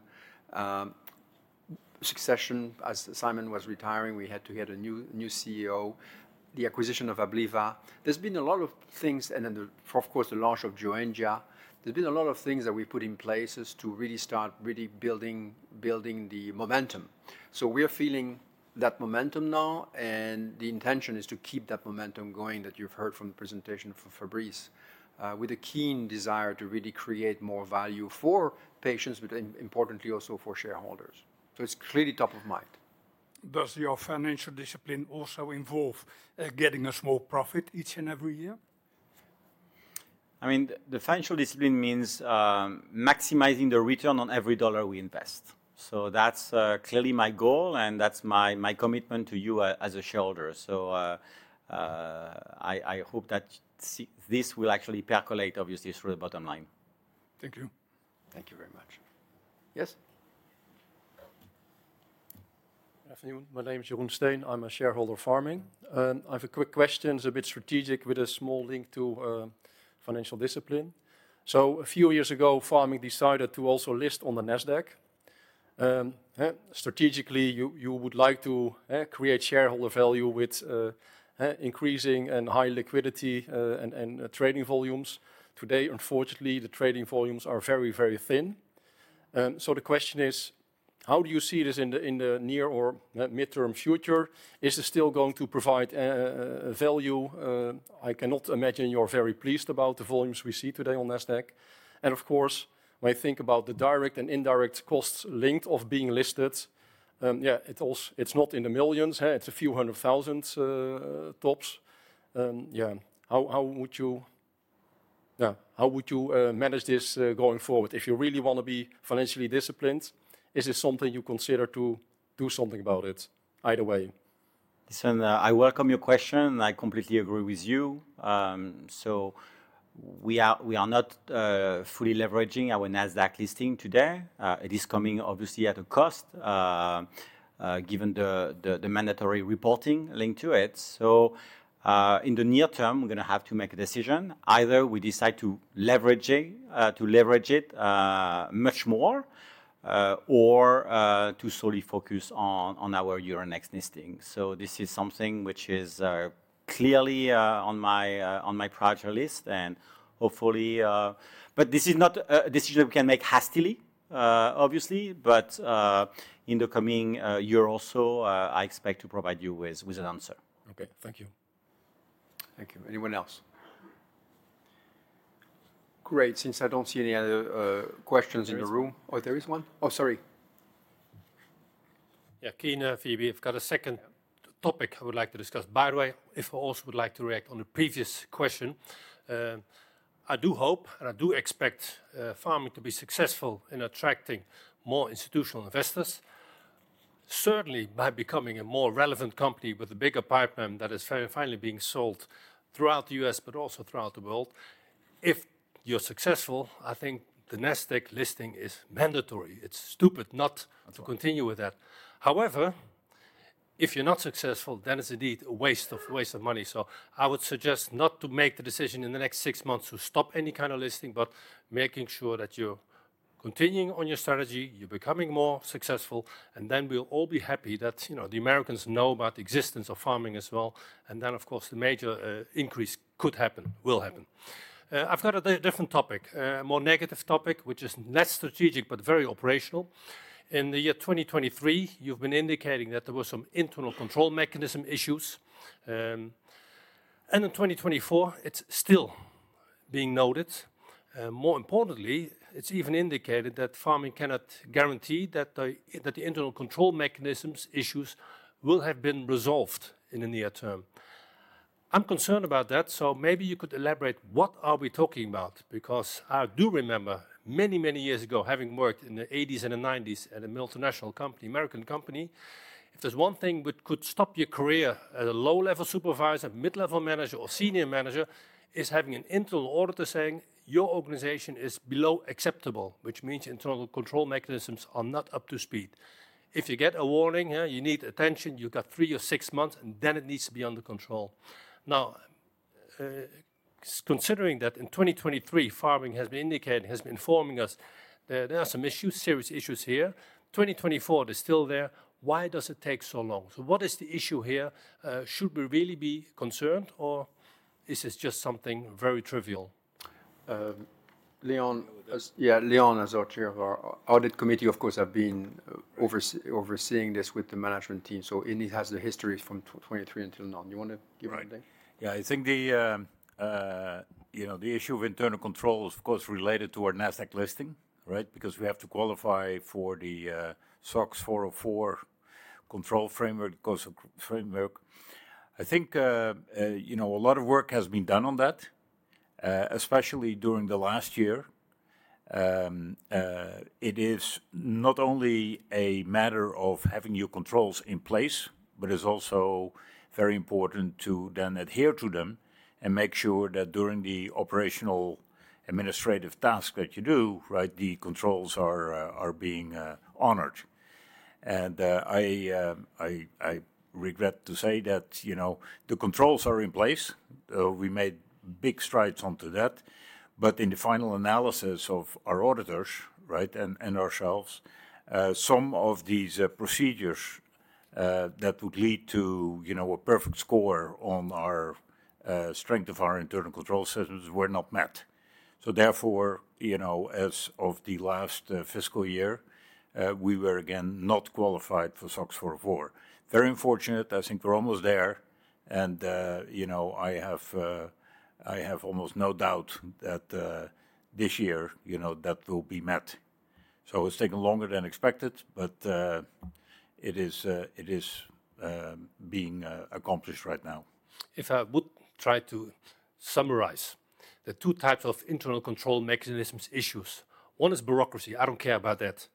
Succession, as Simon was retiring, we had to get a new CEO, the acquisition of Abliva. There have been a lot of things, and then of course the launch of Joenja. There have been a lot of things that we put in place to really start really building the momentum. We're feeling that momentum now, and the intention is to keep that momentum going that you've heard from the presentation from Fabrice with a keen desire to really create more value for patients, but importantly also for shareholders. It is clearly top of mind. Does your financial discipline also involve getting a small profit each and every year? I mean, the financial discipline means maximizing the return on every dollar we invest. That is clearly my goal, and that is my commitment to you as a shareholder. I hope that this will actually percolate obviously through the bottom line. Thank you. Thank you very much. Yes. My name is Jeroen Steyn. I'm a shareholder of Pharming. I have a quick question. It's a bit strategic with a small link to financial discipline. A few years ago, Pharming decided to also list on the Nasdaq. Strategically, you would like to create shareholder value with increasing and high liquidity and trading volumes. Today, unfortunately, the trading volumes are very, very thin. The question is, how do you see this in the near or midterm future? Is it still going to provide value? I cannot imagine you're very pleased about the volumes we see today on Nasdaq. Of course, when I think about the direct and indirect costs linked to being listed, yeah, it's not in the millions, it's a few hundred thousand tops. How would you manage this going forward? If you really want to be financially disciplined, is this something you consider to do something about it either way? Listen, I welcome your question. I completely agree with you. We are not fully leveraging our Nasdaq listing today. It is coming obviously at a cost given the mandatory reporting linked to it. In the near term, we are going to have to make a decision. Either we decide to leverage it much more or to solely focus on our Euronext listing. This is something which is clearly on my priority list and hopefully, but this is not a decision that we can make hastily, obviously, in the coming year or so, I expect to provide you with an answer. Okay. Thank you. Thank you. Anyone else? Great. Since I do not see any other questions in the room, oh, there is one. Oh, sorry. Yeah, Keenan, I've got a second topic I would like to discuss. By the way, if I also would like to react on the previous question, I do hope and I do expect Pharming to be successful in attracting more institutional investors, certainly by becoming a more relevant company with a bigger pipeline that is finally being sold throughout the U.S., but also throughout the world. If you're successful, I think the Nasdaq listing is mandatory. It's stupid not to continue with that. However, if you're not successful, then it's indeed a waste of money. I would suggest not to make the decision in the next six months to stop any kind of listing, but making sure that you're continuing on your strategy, you're becoming more successful, and then we'll all be happy that the Americans know about the existence of Pharming as well. Of course, the major increase could happen, will happen. I've got a different topic, a more negative topic, which is less strategic, but very operational. In the year 2023, you've been indicating that there were some internal control mechanism issues. In 2024, it's still being noted. More importantly, it's even indicated that Pharming cannot guarantee that the internal control mechanisms issues will have been resolved in the near term. I'm concerned about that, so maybe you could elaborate what are we talking about? Because I do remember many, many years ago having worked in the 1980s and the 1990s at a multinational company, American company, if there's one thing which could stop your career as a low-level supervisor, mid-level manager, or senior manager is having an internal auditor saying your organization is below acceptable, which means internal control mechanisms are not up to speed. If you get a warning, you need attention, you've got three or six months, and then it needs to be under control. Now, considering that in 2023, Pharming has been indicating, has been informing us that there are some issues, serious issues here. 2024, they're still there. Why does it take so long? What is the issue here? Should we really be concerned or is this just something very trivial? Yeah, Leon, as our Chair of our Audit Committee, of course, has been overseeing this with the management team. So it has the history from 2023 until now. Do you want to give anything? Right. Yeah, I think the issue of internal control is of course related to our Nasdaq listing, right? Because we have to qualify for the SOX 404 control framework. I think a lot of work has been done on that, especially during the last year. It is not only a matter of having your controls in place, but it's also very important to then adhere to them and make sure that during the operational administrative tasks that you do, right, the controls are being honored. I regret to say that the controls are in place. We made big strides onto that. In the final analysis of our auditors, right, and ourselves, some of these procedures that would lead to a perfect score on the strength of our internal control systems were not met. Therefore, as of the last fiscal year, we were again not qualified for SOX 404. Very unfortunate, I think we're almost there. I have almost no doubt that this year that will be met. It's taken longer than expected, but it is being accomplished right now. If I would try to summarize the two types of internal control mechanisms issues, one is bureaucracy. I don't care about that.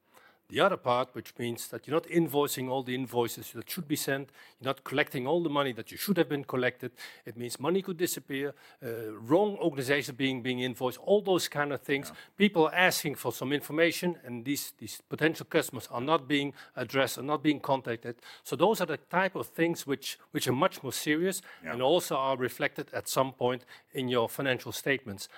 The other part, which means that you're not invoicing all the invoices that should be sent, you're not collecting all the money that you should have been collected. It means money could disappear, wrong organizations being invoiced, all those kinds of things. People are asking for some information, and these potential customers are not being addressed, are not being contacted. Those are the type of things which are much more serious and also are reflected at some point in your financial statements.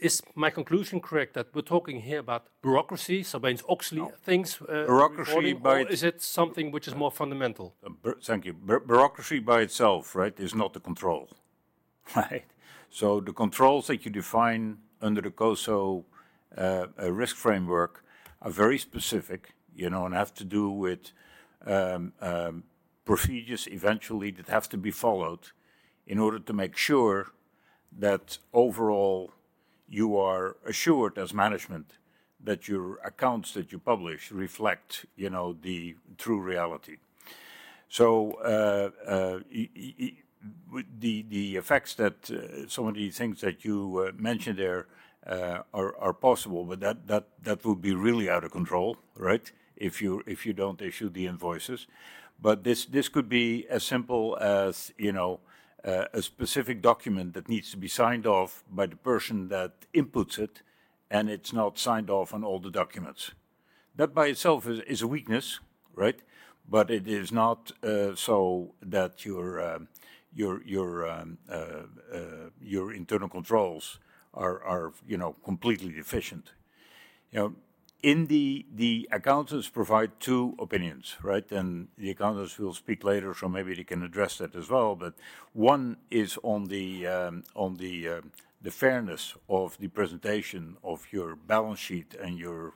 Is my conclusion correct that we're talking here about bureaucracy? By its auxiliary things. Bureaucracy by. Is it something which is more fundamental? Thank you. Bureaucracy by itself, right, is not the control. The controls that you define under the COSO risk framework are very specific and have to do with procedures eventually that have to be followed in order to make sure that overall you are assured as management that your accounts that you publish reflect the true reality. The effects that some of the things that you mentioned there are possible, but that would be really out of control, right, if you do not issue the invoices. This could be as simple as a specific document that needs to be signed off by the person that inputs it, and it is not signed off on all the documents. That by itself is a weakness, right? It is not so that your internal controls are completely deficient. The accountants provide two opinions, right? The accountants will speak later, so maybe they can address that as well. One is on the fairness of the presentation of your balance sheet and your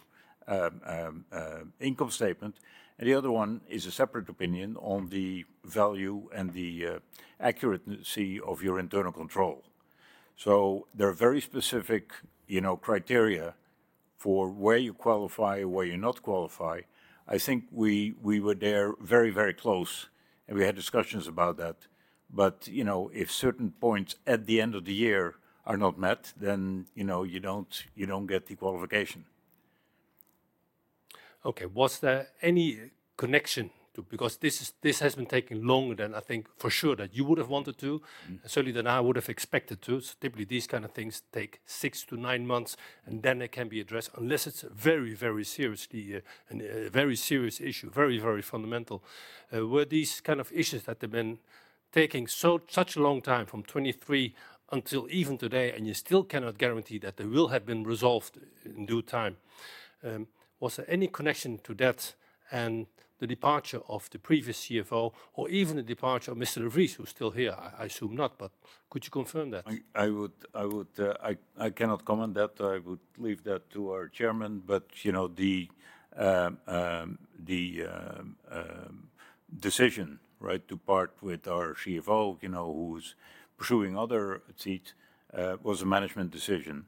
income statement. The other one is a separate opinion on the value and the accuracy of your internal control. There are very specific criteria for where you qualify, where you not qualify. I think we were there very, very close, and we had discussions about that. If certain points at the end of the year are not met, then you do not get the qualification. Okay. Was there any connection to, because this has been taking longer than I think for sure that you would have wanted to, certainly than I would have expected to. Typically these kinds of things take six to nine months, and then they can be addressed unless it's very, very seriously a very serious issue, very, very fundamental. Were these kinds of issues that have been taking such a long time from 2023 until even today, and you still cannot guarantee that they will have been resolved in due time? Was there any connection to that and the departure of the previous CFO or even the departure of Mr. de Vries, who's still here? I assume not, but could you confirm that? I cannot comment on that. I would leave that to our Chairman. The decision, right, to part with our CFO, who's pursuing other seats, was a management decision.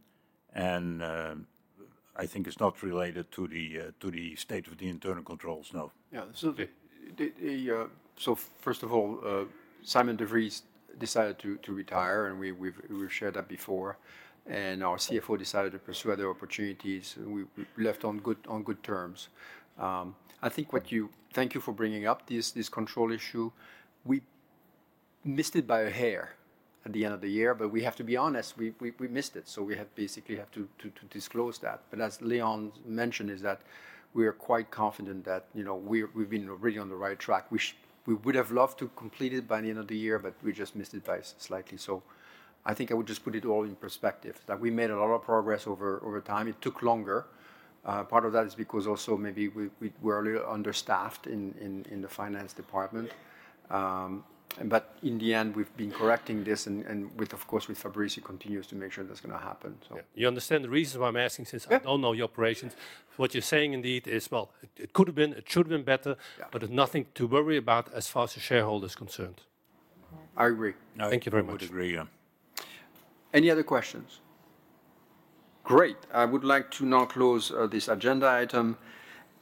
I think it's not related to the state of the internal controls, no. Yeah, absolutely. First of all, Simon de Vries decided to retire, and we have shared that before. Our CFO decided to pursue other opportunities. We left on good terms. I think, thank you for bringing up this control issue. We missed it by a hair at the end of the year, but we have to be honest, we missed it. We have basically had to disclose that. As Leon mentioned, we are quite confident that we have been really on the right track. We would have loved to complete it by the end of the year, but we just missed it slightly. I would just put it all in perspective. We made a lot of progress over time. It took longer. Part of that is because also maybe we were a little understaffed in the finance department. In the end, we've been correcting this. Of course, Fabrice continues to make sure that's going to happen. You understand the reasons why I'm asking since I don't know your operations. What you're saying indeed is, it could have been, it should have been better, but there's nothing to worry about as far as the shareholders are concerned. I agree. Thank you very much. I would agree, yeah. Any other questions? Great. I would like to now close this agenda item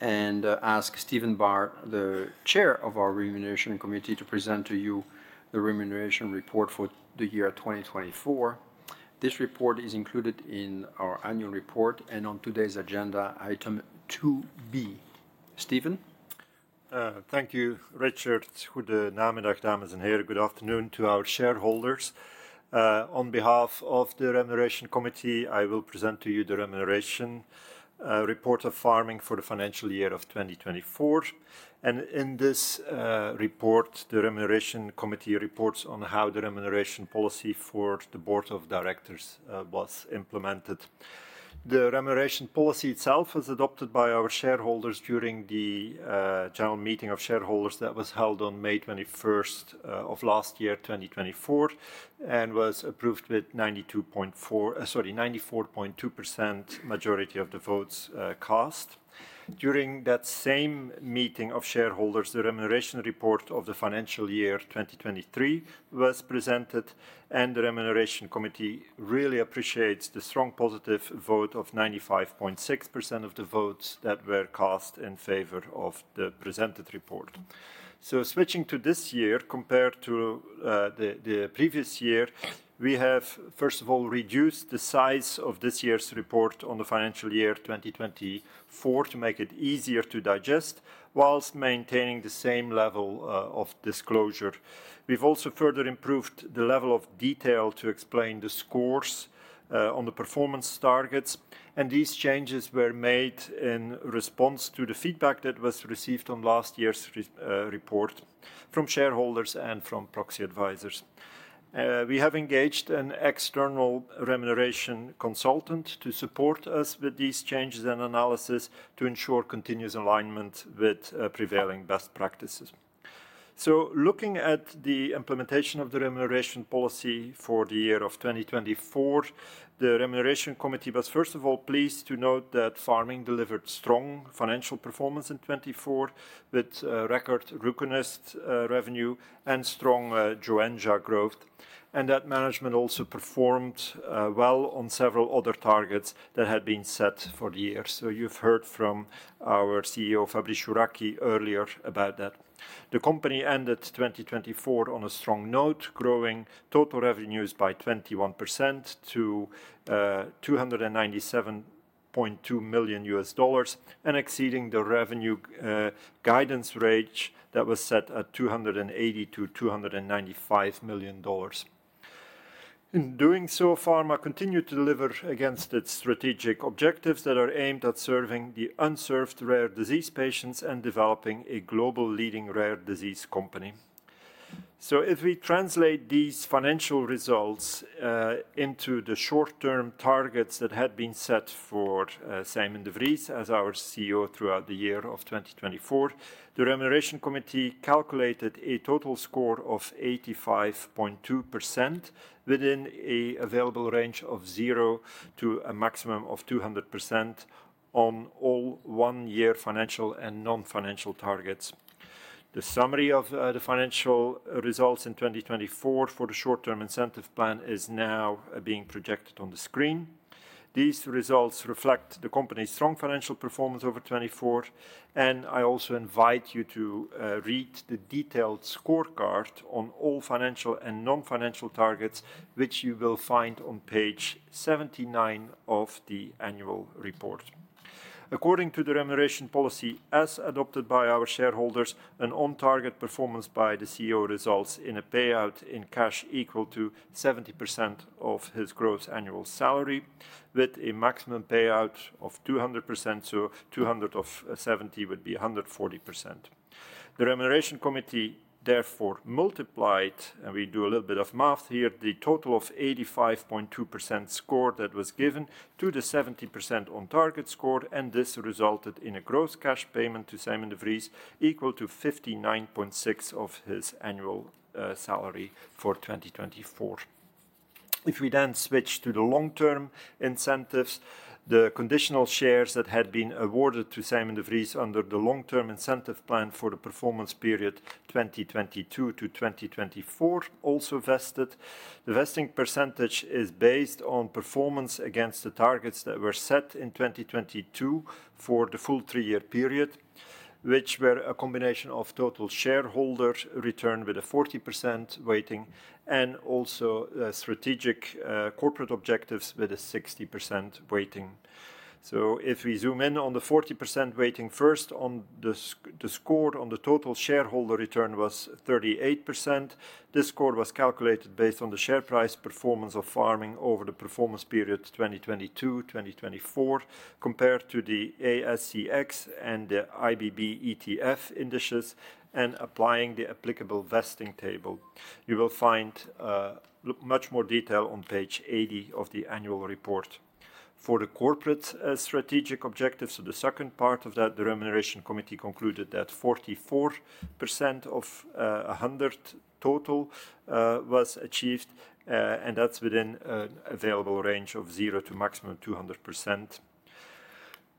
and ask Steven Barr, the Chair of our Remuneration Committee, to present to you the remuneration report for the year 2024. This report is included in our annual report and on today's agenda item 2B. Steven? Thank you, Richard. Good afternoon, dames and here. Good afternoon to our shareholders. On behalf of the remuneration committee, I will present to you the remuneration report of Pharming for the financial year of 2024. In this report, the remuneration committee reports on how the remuneration policy for the board of directors was implemented. The remuneration policy itself was adopted by our shareholders during the general meeting of shareholders that was held on May 21 of last year, 2024, and was approved with 94.2% of the votes cast. During that same meeting of shareholders, the remuneration report of the financial year 2023 was presented, and the remuneration committee really appreciates the strong positive vote of 95.6% of the votes that were cast in favor of the presented report. Switching to this year, compared to the previous year, we have, first of all, reduced the size of this year's report on the financial year 2024 to make it easier to digest, whilst maintaining the same level of disclosure. We have also further improved the level of detail to explain the scores on the performance targets. These changes were made in response to the feedback that was received on last year's report from shareholders and from proxy advisors. We have engaged an external remuneration consultant to support us with these changes and analysis to ensure continuous alignment with prevailing best practices. Looking at the implementation of the remuneration policy for the year of 2024, the Remuneration Committee was, first of all, pleased to note that Pharming delivered strong financial performance in 2024 with record RUCONEST revenue and strong Joenja growth. Management also performed well on several other targets that had been set for the year. You have heard from our CEO, Fabrice Chouraqui, earlier about that. The company ended 2024 on a strong note, growing total revenues by 21% to $297.2 million and exceeding the revenue guidance range that was set at $280 million-$295 million. In doing so, Pharming continued to deliver against its strategic objectives that are aimed at serving the unserved rare disease patients and developing a global leading rare disease company. If we translate these financial results into the short-term targets that had been set for Sijmen de Vries as our CEO throughout the year of 2024, the remuneration committee calculated a total score of 85.2% within an available range of zero to a maximum of 200% on all one-year financial and non-financial targets. The summary of the financial results in 2024 for the short-term incentive plan is now being projected on the screen. These results reflect the company's strong financial performance over 2024. I also invite you to read the detailed scorecard on all financial and non-financial targets, which you will find on page 79 of the annual report. According to the remuneration policy as adopted by our shareholders, an on-target performance by the CEO results in a payout in cash equal to 70% of his gross annual salary, with a maximum payout of 200%. Two hundred of 70 would be 140%. The remuneration committee therefore multiplied, and we do a little bit of math here, the total of 85.2% score that was given to the 70% on-target score. This resulted in a gross cash payment to Simon de Vries equal to 59.6% of his annual salary for 2024. If we then switch to the long-term incentives, the conditional shares that had been awarded to Simon de Vries under the long-term incentive plan for the performance period 2022 to 2024 also vested. The vesting percentage is based on performance against the targets that were set in 2022 for the full three-year period, which were a combination of total shareholder return with a 40% weighting and also strategic corporate objectives with a 60% weighting. If we zoom in on the 40% weighting, first, on the score on the total shareholder return was 38%. This score was calculated based on the share price performance of Pharming over the performance period 2022-2024, compared to the ASCX and the IBB ETF indices, and applying the applicable vesting table. You will find much more detail on page 80 of the annual report. For the corporate strategic objectives, so the second part of that, the remuneration committee concluded that 44% of 100 total was achieved, and that's within an available range of zero to maximum 200%.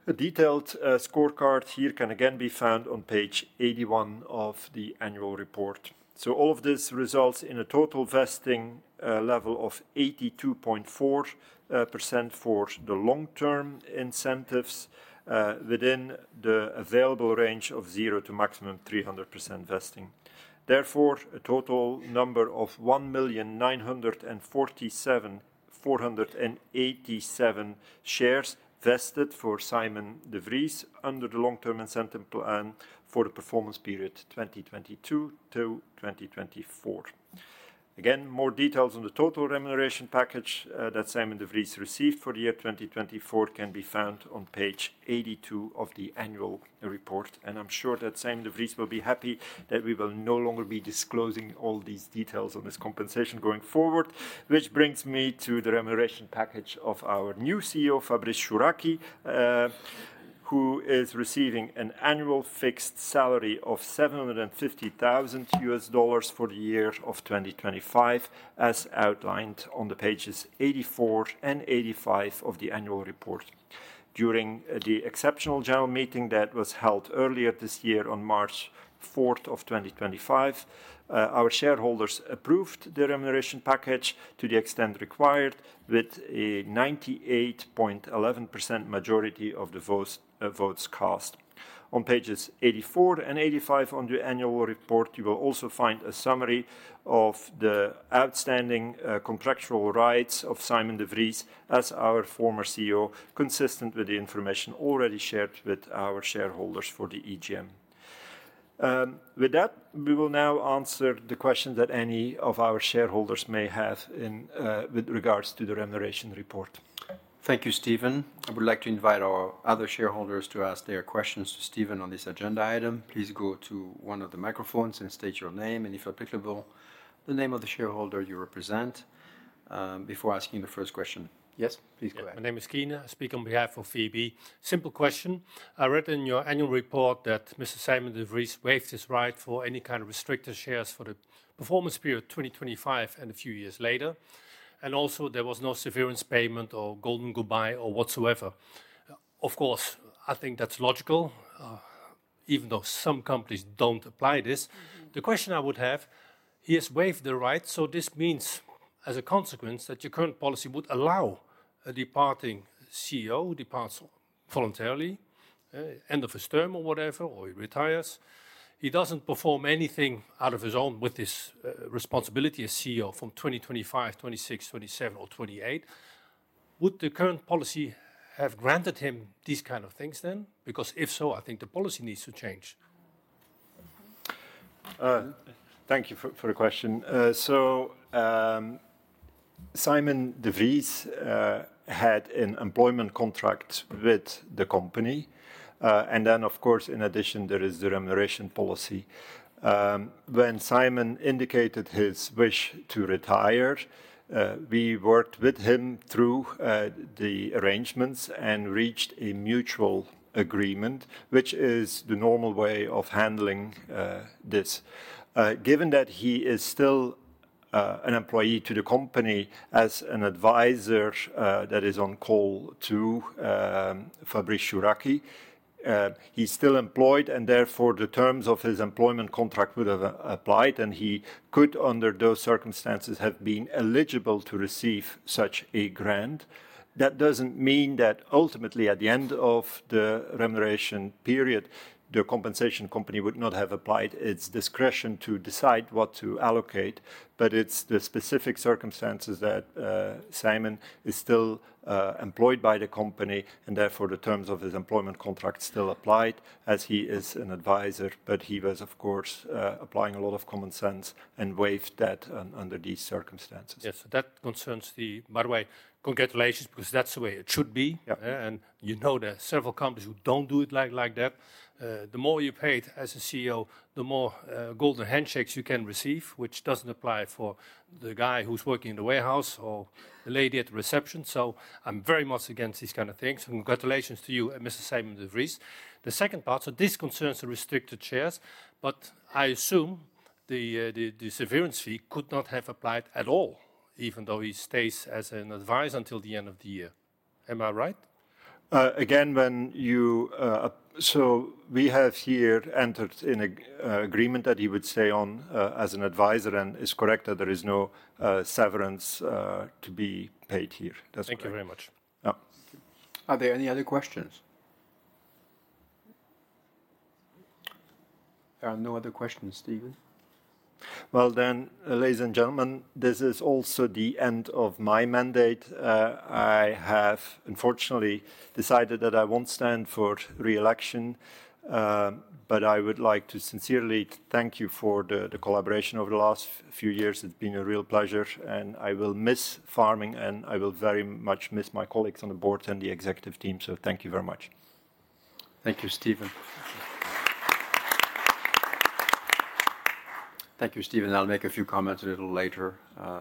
A detailed scorecard here can again be found on page 81 of the annual report. All of this results in a total vesting level of 82.4% for the long-term incentives within the available range of zero to maximum 300% vesting. Therefore, a total number of 1,947,487 shares vested for Simon de Vries under the long-term incentive plan for the performance period 2022 to 2024. Again, more details on the total remuneration package that Simon de Vries received for the year 2024 can be found on page 82 of the annual report. I am sure that Simon de Vries will be happy that we will no longer be disclosing all these details on this compensation going forward, which brings me to the remuneration package of our new CEO, Fabrice Chouraqui, who is receiving an annual fixed salary of $750,000 for the year of 2025, as outlined on pages 84 and 85 of the annual report. During the exceptional general meeting that was held earlier this year on March 4th of 2025, our shareholders approved the remuneration package to the extent required with a 98.11% majority of the votes cast. On pages 84 and 85 of the annual report, you will also find a summary of the outstanding contractual rights of Simon de Vries as our former CEO, consistent with the information already shared with our shareholders for the EGM. With that, we will now answer the questions that any of our shareholders may have with regards to the remuneration report. Thank you, Steven. I would like to invite our other shareholders to ask their questions to Steven on this agenda item. Please go to one of the microphones and state your name and, if applicable, the name of the shareholder you represent before asking the first question. Yes, please go ahead. My name is Keenan. I speak on behalf of VB. Simple question. I read in your annual report that Mr. Simon de Vries waived his right for any kind of restricted shares for the performance period of 2025 and a few years later. Also, there was no severance payment or golden goodbye or whatsoever. Of course, I think that's logical, even though some companies don't apply this. The question I would have, he has waived the right, so this means, as a consequence, that your current policy would allow a departing CEO who departs voluntarily, end of his term or whatever, or he retires. He doesn't perform anything out of his own responsibility as CEO from 2025, 2026, 2027, or 2028. Would the current policy have granted him these kinds of things then? Because if so, I think the policy needs to change. Thank you for the question. Simon de Vries had an employment contract with the company. In addition, there is the remuneration policy. When Simon indicated his wish to retire, we worked with him through the arrangements and reached a mutual agreement, which is the normal way of handling this. Given that he is still an employee to the company as an advisor that is on call to Fabrice Chouraqui, he is still employed, and therefore, the terms of his employment contract would have applied, and he could, under those circumstances, have been eligible to receive such a grant. That doesn't mean that ultimately, at the end of the remuneration period, the compensation company would not have applied its discretion to decide what to allocate, but it's the specific circumstances that Simon is still employed by the company, and therefore, the terms of his employment contract still applied as he is an advisor. He was, of course, applying a lot of common sense and waived that under these circumstances. Yes, that concerns the Barway. Congratulations, because that's the way it should be. You know there are several companies who don't do it like that. The more you pay as a CEO, the more golden handshakes you can receive, which doesn't apply for the guy who's working in the warehouse or the lady at the reception. I'm very much against these kinds of things. Congratulations to you and Mr. Simon de Vries. The second part, this concerns the restricted shares, but I assume the severance fee could not have applied at all, even though he stays as an advisor until the end of the year. Am I right? Again, when you so we have here entered in an agreement that he would stay on as an advisor and it's correct that there is no severance to be paid here. Thank you very much. Are there any other questions? There are no other questions, Steven. Ladies and gentlemen, this is also the end of my mandate. I have, unfortunately, decided that I will not stand for reelection, but I would like to sincerely thank you for the collaboration over the last few years. It has been a real pleasure, and I will miss Pharming, and I will very much miss my colleagues on the board and the executive team. Thank you very much. Thank you, Steven. I'll make a few comments a little later,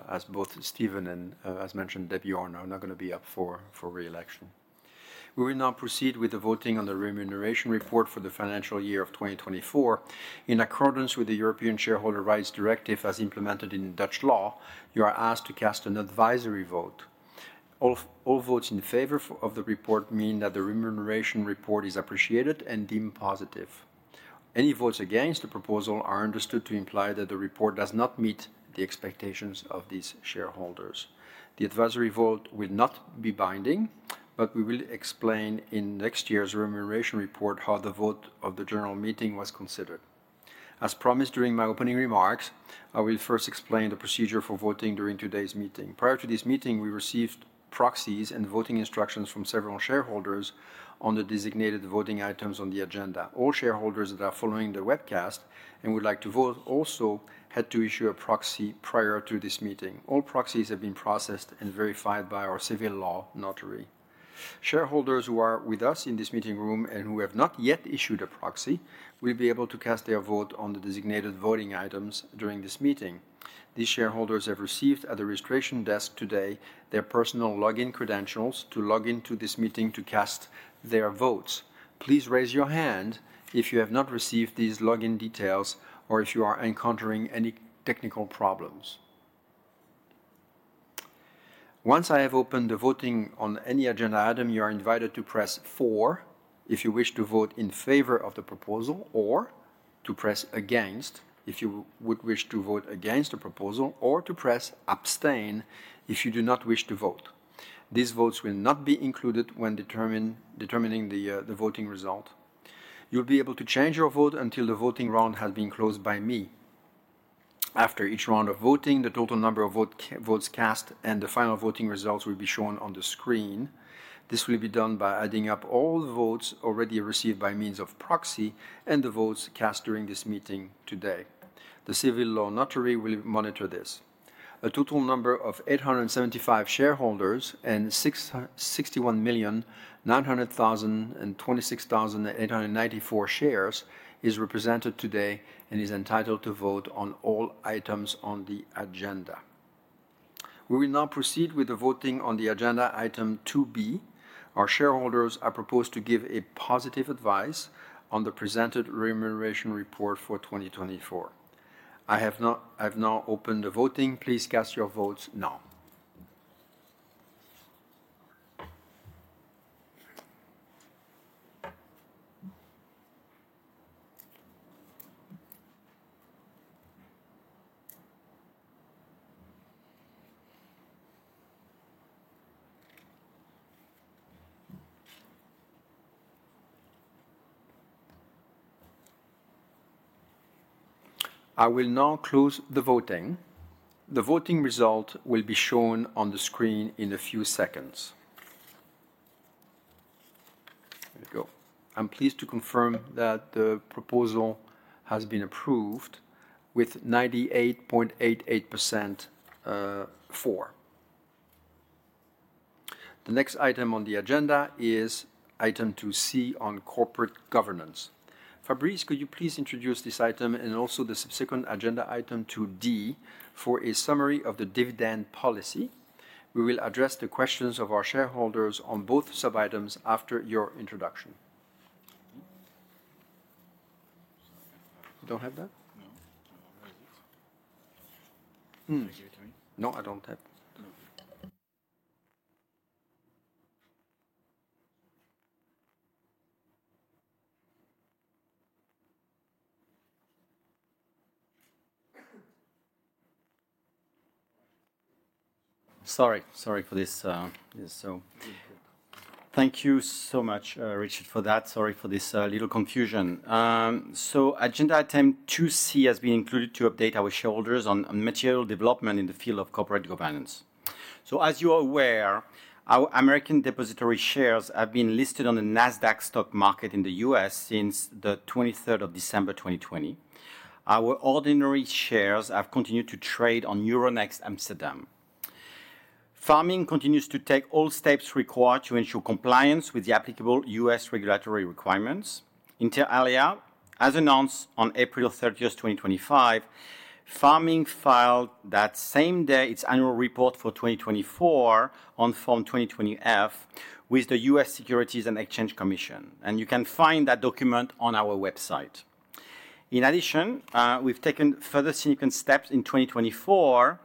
as both Steven and, as mentioned, Debbie, are now going to be up for reelection. We will now proceed with the voting on the remuneration report for the financial year of 2024. In accordance with the European Shareholder Rights Directive, as implemented in Dutch law, you are asked to cast an advisory vote. All votes in favor of the report mean that the remuneration report is appreciated and deemed positive. Any votes against the proposal are understood to imply that the report does not meet the expectations of these shareholders. The advisory vote will not be binding, but we will explain in next year's remuneration report how the vote of the general meeting was considered. As promised during my opening remarks, I will first explain the procedure for voting during today's meeting. Prior to this meeting, we received proxies and voting instructions from several shareholders on the designated voting items on the agenda. All shareholders that are following the webcast and would like to vote also had to issue a proxy prior to this meeting. All proxies have been processed and verified by our civil law notary. Shareholders who are with us in this meeting room and who have not yet issued a proxy will be able to cast their vote on the designated voting items during this meeting. These shareholders have received at the registration desk today their personal login credentials to log into this meeting to cast their votes. Please raise your hand if you have not received these login details or if you are encountering any technical problems. Once I have opened the voting on any agenda item, you are invited to press 4 if you wish to vote in favor of the proposal, or to press against if you would wish to vote against the proposal, or to press abstain if you do not wish to vote. These votes will not be included when determining the voting result. You'll be able to change your vote until the voting round has been closed by me. After each round of voting, the total number of votes cast and the final voting results will be shown on the screen. This will be done by adding up all the votes already received by means of proxy and the votes cast during this meeting today. The civil law notary will monitor this. A total number of 875 shareholders and 61,900,026,894 shares is represented today and is entitled to vote on all items on the agenda. We will now proceed with the voting on the agenda item 2B. Our shareholders are proposed to give a positive advice on the presented remuneration report for 2024. I have now opened the voting. Please cast your votes now. I will now close the voting. The voting result will be shown on the screen in a few seconds. I'm pleased to confirm that the proposal has been approved with 98.88% for. The next item on the agenda is item 2C on corporate governance. Fabrice, could you please introduce this item and also the subsequent agenda item 2D for a summary of the dividend policy? We will address the questions of our shareholders on both sub-items after your introduction. You don't have that? No. Where is it? No, I don't have. Sorry for this. Thank you so much, Richard, for that. Sorry for this little confusion. Agenda item 2C has been included to update our shareholders on material development in the field of corporate governance. As you are aware, our American Depository Shares have been listed on the NASDAQ stock market in the U.S. since December 23, 2020. Our ordinary shares have continued to trade on Euronext Amsterdam. Pharming continues to take all steps required to ensure compliance with the applicable U.S. regulatory requirements. Inter alia, as announced on April 30, 2025, Pharming filed that same day its annual report for 2024 on Form 20-F with the U.S. Securities and Exchange Commission. You can find that document on our website. In addition, we've taken further significant steps in 2024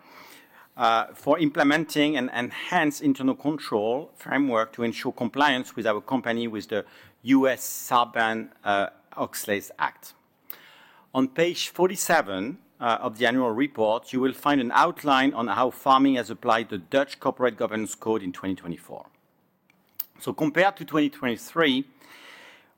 for implementing an enhanced internal control framework to ensure compliance with our company with the U.S. Sarbanes-Oxley Act. On page 47 of the annual report, you will find an outline on how Pharming has applied the Dutch Corporate Governance Code in 2024. Compared to 2023,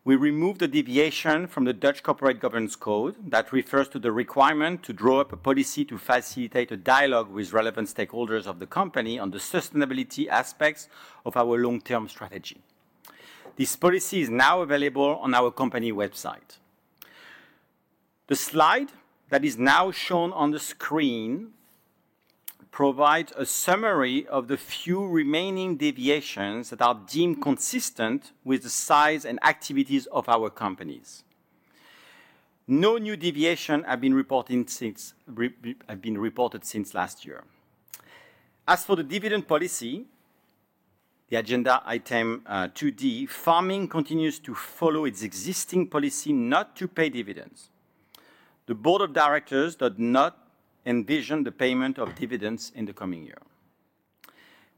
we removed the deviation from the Dutch Corporate Governance Code that refers to the requirement to draw up a policy to facilitate a dialogue with relevant stakeholders of the company on the sustainability aspects of our long-term strategy. This policy is now available on our company website. The slide that is now shown on the screen provides a summary of the few remaining deviations that are deemed consistent with the size and activities of our company. No new deviations have been reported since last year. As for the dividend policy, the agenda item 2D, Pharming continues to follow its existing policy not to pay dividends. The Board of Directors does not envision the payment of dividends in the coming year.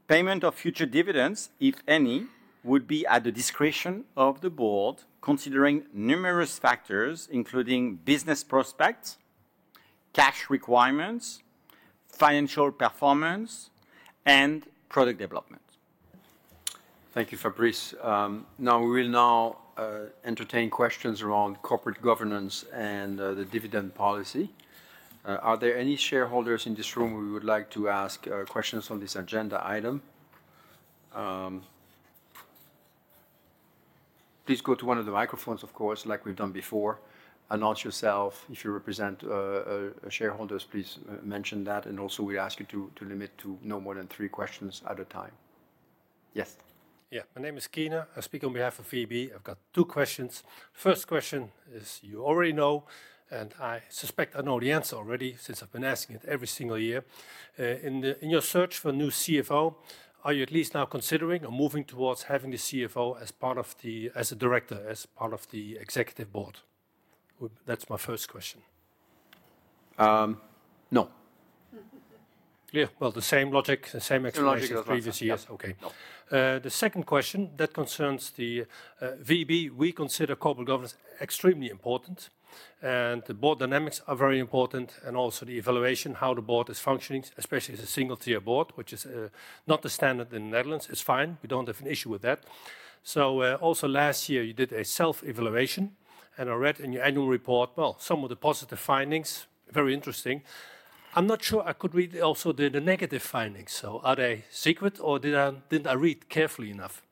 Payment of future dividends, if any, would be at the discretion of the Board, considering numerous factors, including business prospects, cash requirements, financial performance, and product development. Thank you, Fabrice. Now, we will now entertain questions around corporate governance and the dividend policy. Are there any shareholders in this room who would like to ask questions on this agenda item? Please go to one of the microphones, of course, like we've done before. Announce yourself. If you represent shareholders, please mention that. Also, we ask you to limit to no more than three questions at a time. Yes. Yeah, my name is Keenan. I speak on behalf of VB. I've got two questions. First question is, you already know, and I suspect I know the answer already since I've been asking it every single year. In your search for a new CFO, are you at least now considering or moving towards having the CFO as part of the director, as part of the executive board? That's my first question. (audio distortion) No. (audio distortion) Clear? The same logic, the same explanation as previous years. The logic of the previous year. Okay. The second question that concerns the VB, we consider corporate governance extremely important, and the board dynamics are very important, and also the evaluation, how the board is functioning, especially as a single-tier board, which is not the standard in the Netherlands. It's fine. We don't have an issue with that. Also, last year, you did a self-evaluation, and I read in your annual report, some of the positive findings, very interesting. I'm not sure I could read also the negative findings. Are they secret, or didn't I read carefully enough?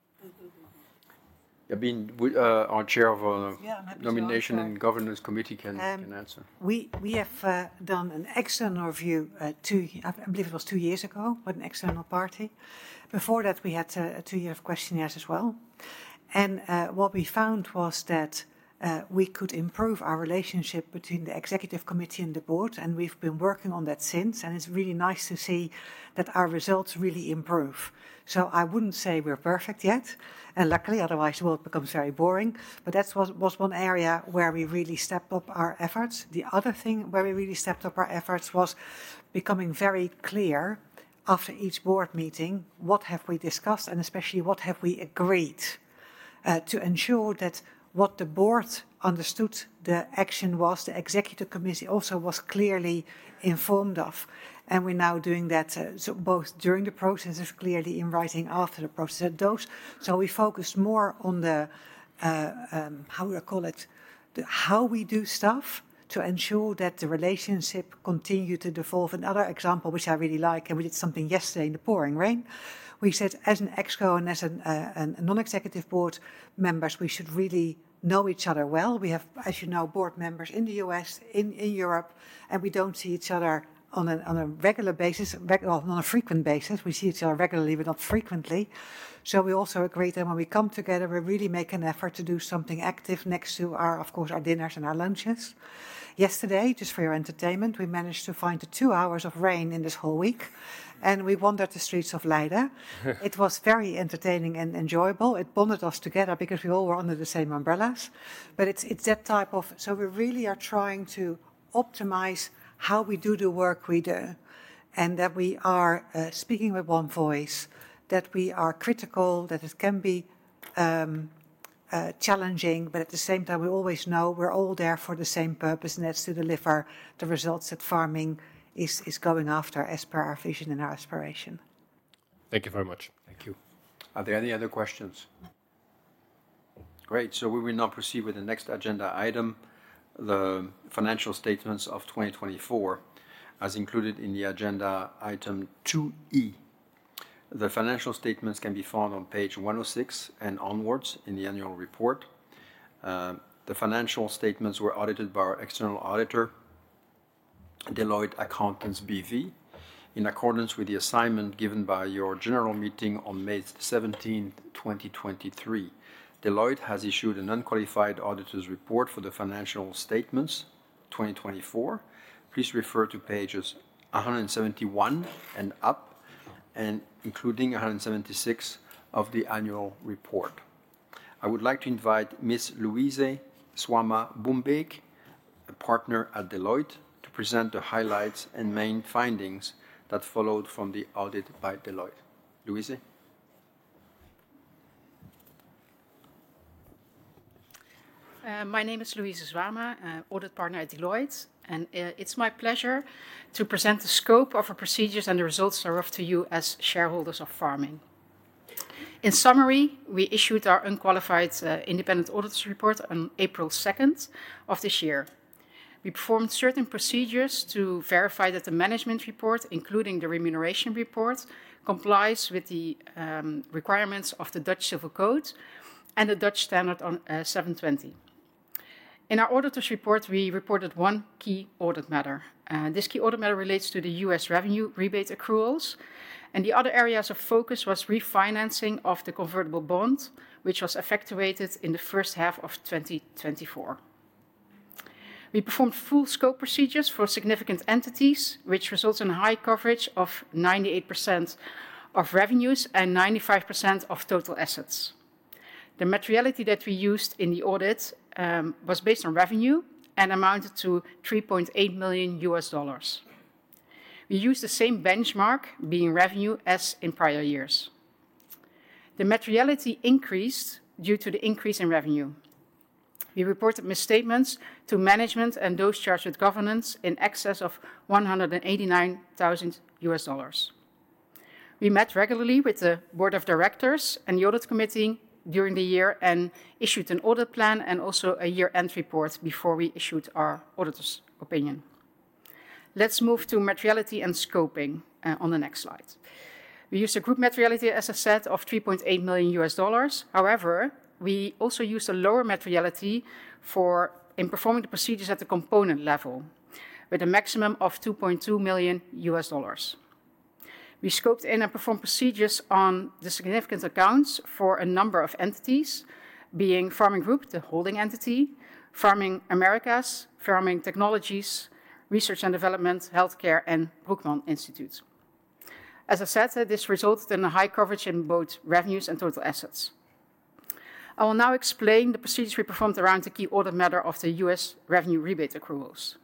I mean, our Chair of the Nomination and Governance Committee can answer. We have done an external review, I believe it was two years ago, with an external party. Before that, we had a two-year questionnaire as well. What we found was that we could improve our relationship between the executive committee and the board, and we've been working on that since. It is really nice to see that our results really improve. I would not say we are perfect yet, and luckily, otherwise, the world becomes very boring. That was one area where we really stepped up our efforts. The other thing where we really stepped up our efforts was becoming very clear after each board meeting, what have we discussed, and especially what have we agreed to ensure that what the board understood the action was, the executive committee also was clearly informed of. We are now doing that both during the process and clearly in writing after the process. We focused more on the, how would I call it, how we do stuff to ensure that the relationship continued to devolve. Another example, which I really like, and we did something yesterday in the pouring rain. We said, as an exco and as non-executive board members, we should really know each other well. We have, as you know, board members in the U.S., in Europe, and we do not see each other on a regular basis, not on a frequent basis. We see each other regularly, but not frequently. We also agreed that when we come together, we really make an effort to do something active next to our, of course, our dinners and our lunches. Yesterday, just for your entertainment, we managed to find the two hours of rain in this whole week, and we wandered the streets of Leiden. It was very entertaining and enjoyable. It bonded us together because we all were under the same umbrellas. It is that type of, so we really are trying to optimize how we do the work we do and that we are speaking with one voice, that we are critical, that it can be challenging, but at the same time, we always know we are all there for the same purpose, and that is to deliver the results that Pharming is going after as per our vision and our aspiration. Thank you very much. Thank you. Are there any other questions? Great. We will now proceed with the next agenda item, the financial statements of 2024, as included in agenda item 2E. The financial statements can be found on page 106 and onwards in the annual report. The financial statements were audited by our external auditor, Deloitte Accountants B.V., in accordance with the assignment given by your general meeting on May 17th, 2023. Deloitte has issued an unqualified auditor's report for the financial statements 2024. Please refer to pages 171 and up, including 176 of the annual report. I would like to invite Ms. Louise Zwama [Boombake], a partner at Deloitte, to present the highlights and main findings that followed from the audit by Deloitte. Louise. My name is Louise Zwama [Boombake], audit partner at Deloitte, and it's my pleasure to present the scope of our procedures and the results that are offered to you as shareholders of Pharming. In summary, we issued our unqualified independent auditor's report on April 2nd of this year. We performed certain procedures to verify that the management report, including the remuneration report, complies with the requirements of the Dutch Civil Code and the Dutch Standard 720. In our auditor's report, we reported one key audit matter. This key audit matter relates to the US revenue rebate accruals, and the other area of focus was refinancing of the convertible bond, which was effectuated in the first half of 2024. We performed full scope procedures for significant entities, which results in high coverage of 98% of revenues and 95% of total assets. The materiality that we used in the audit was based on revenue and amounted to $3.8 million. We used the same benchmark being revenue as in prior years. The materiality increased due to the increase in revenue. We reported misstatements to management and those charged with governance in excess of $189,000. We met regularly with the board of directors and the audit committee during the year and issued an audit plan and also a year-end report before we issued our auditor's opinion. Let's move to materiality and scoping on the next slide. We used a group materiality as a set of $3.8 million. However, we also used a lower materiality in performing the procedures at the component level with a maximum of $2.2 million. We scoped in and performed procedures on the significant accounts for a number of entities, being Pharming Group, the holding entity, Pharming Americas, Pharming Technologies, Research and Development, Healthcare, and Brookman Institute. As I said, this resulted in a high coverage in both revenues and total assets. I will now explain the procedures we performed around the key audit matter of the US revenue rebate accruals.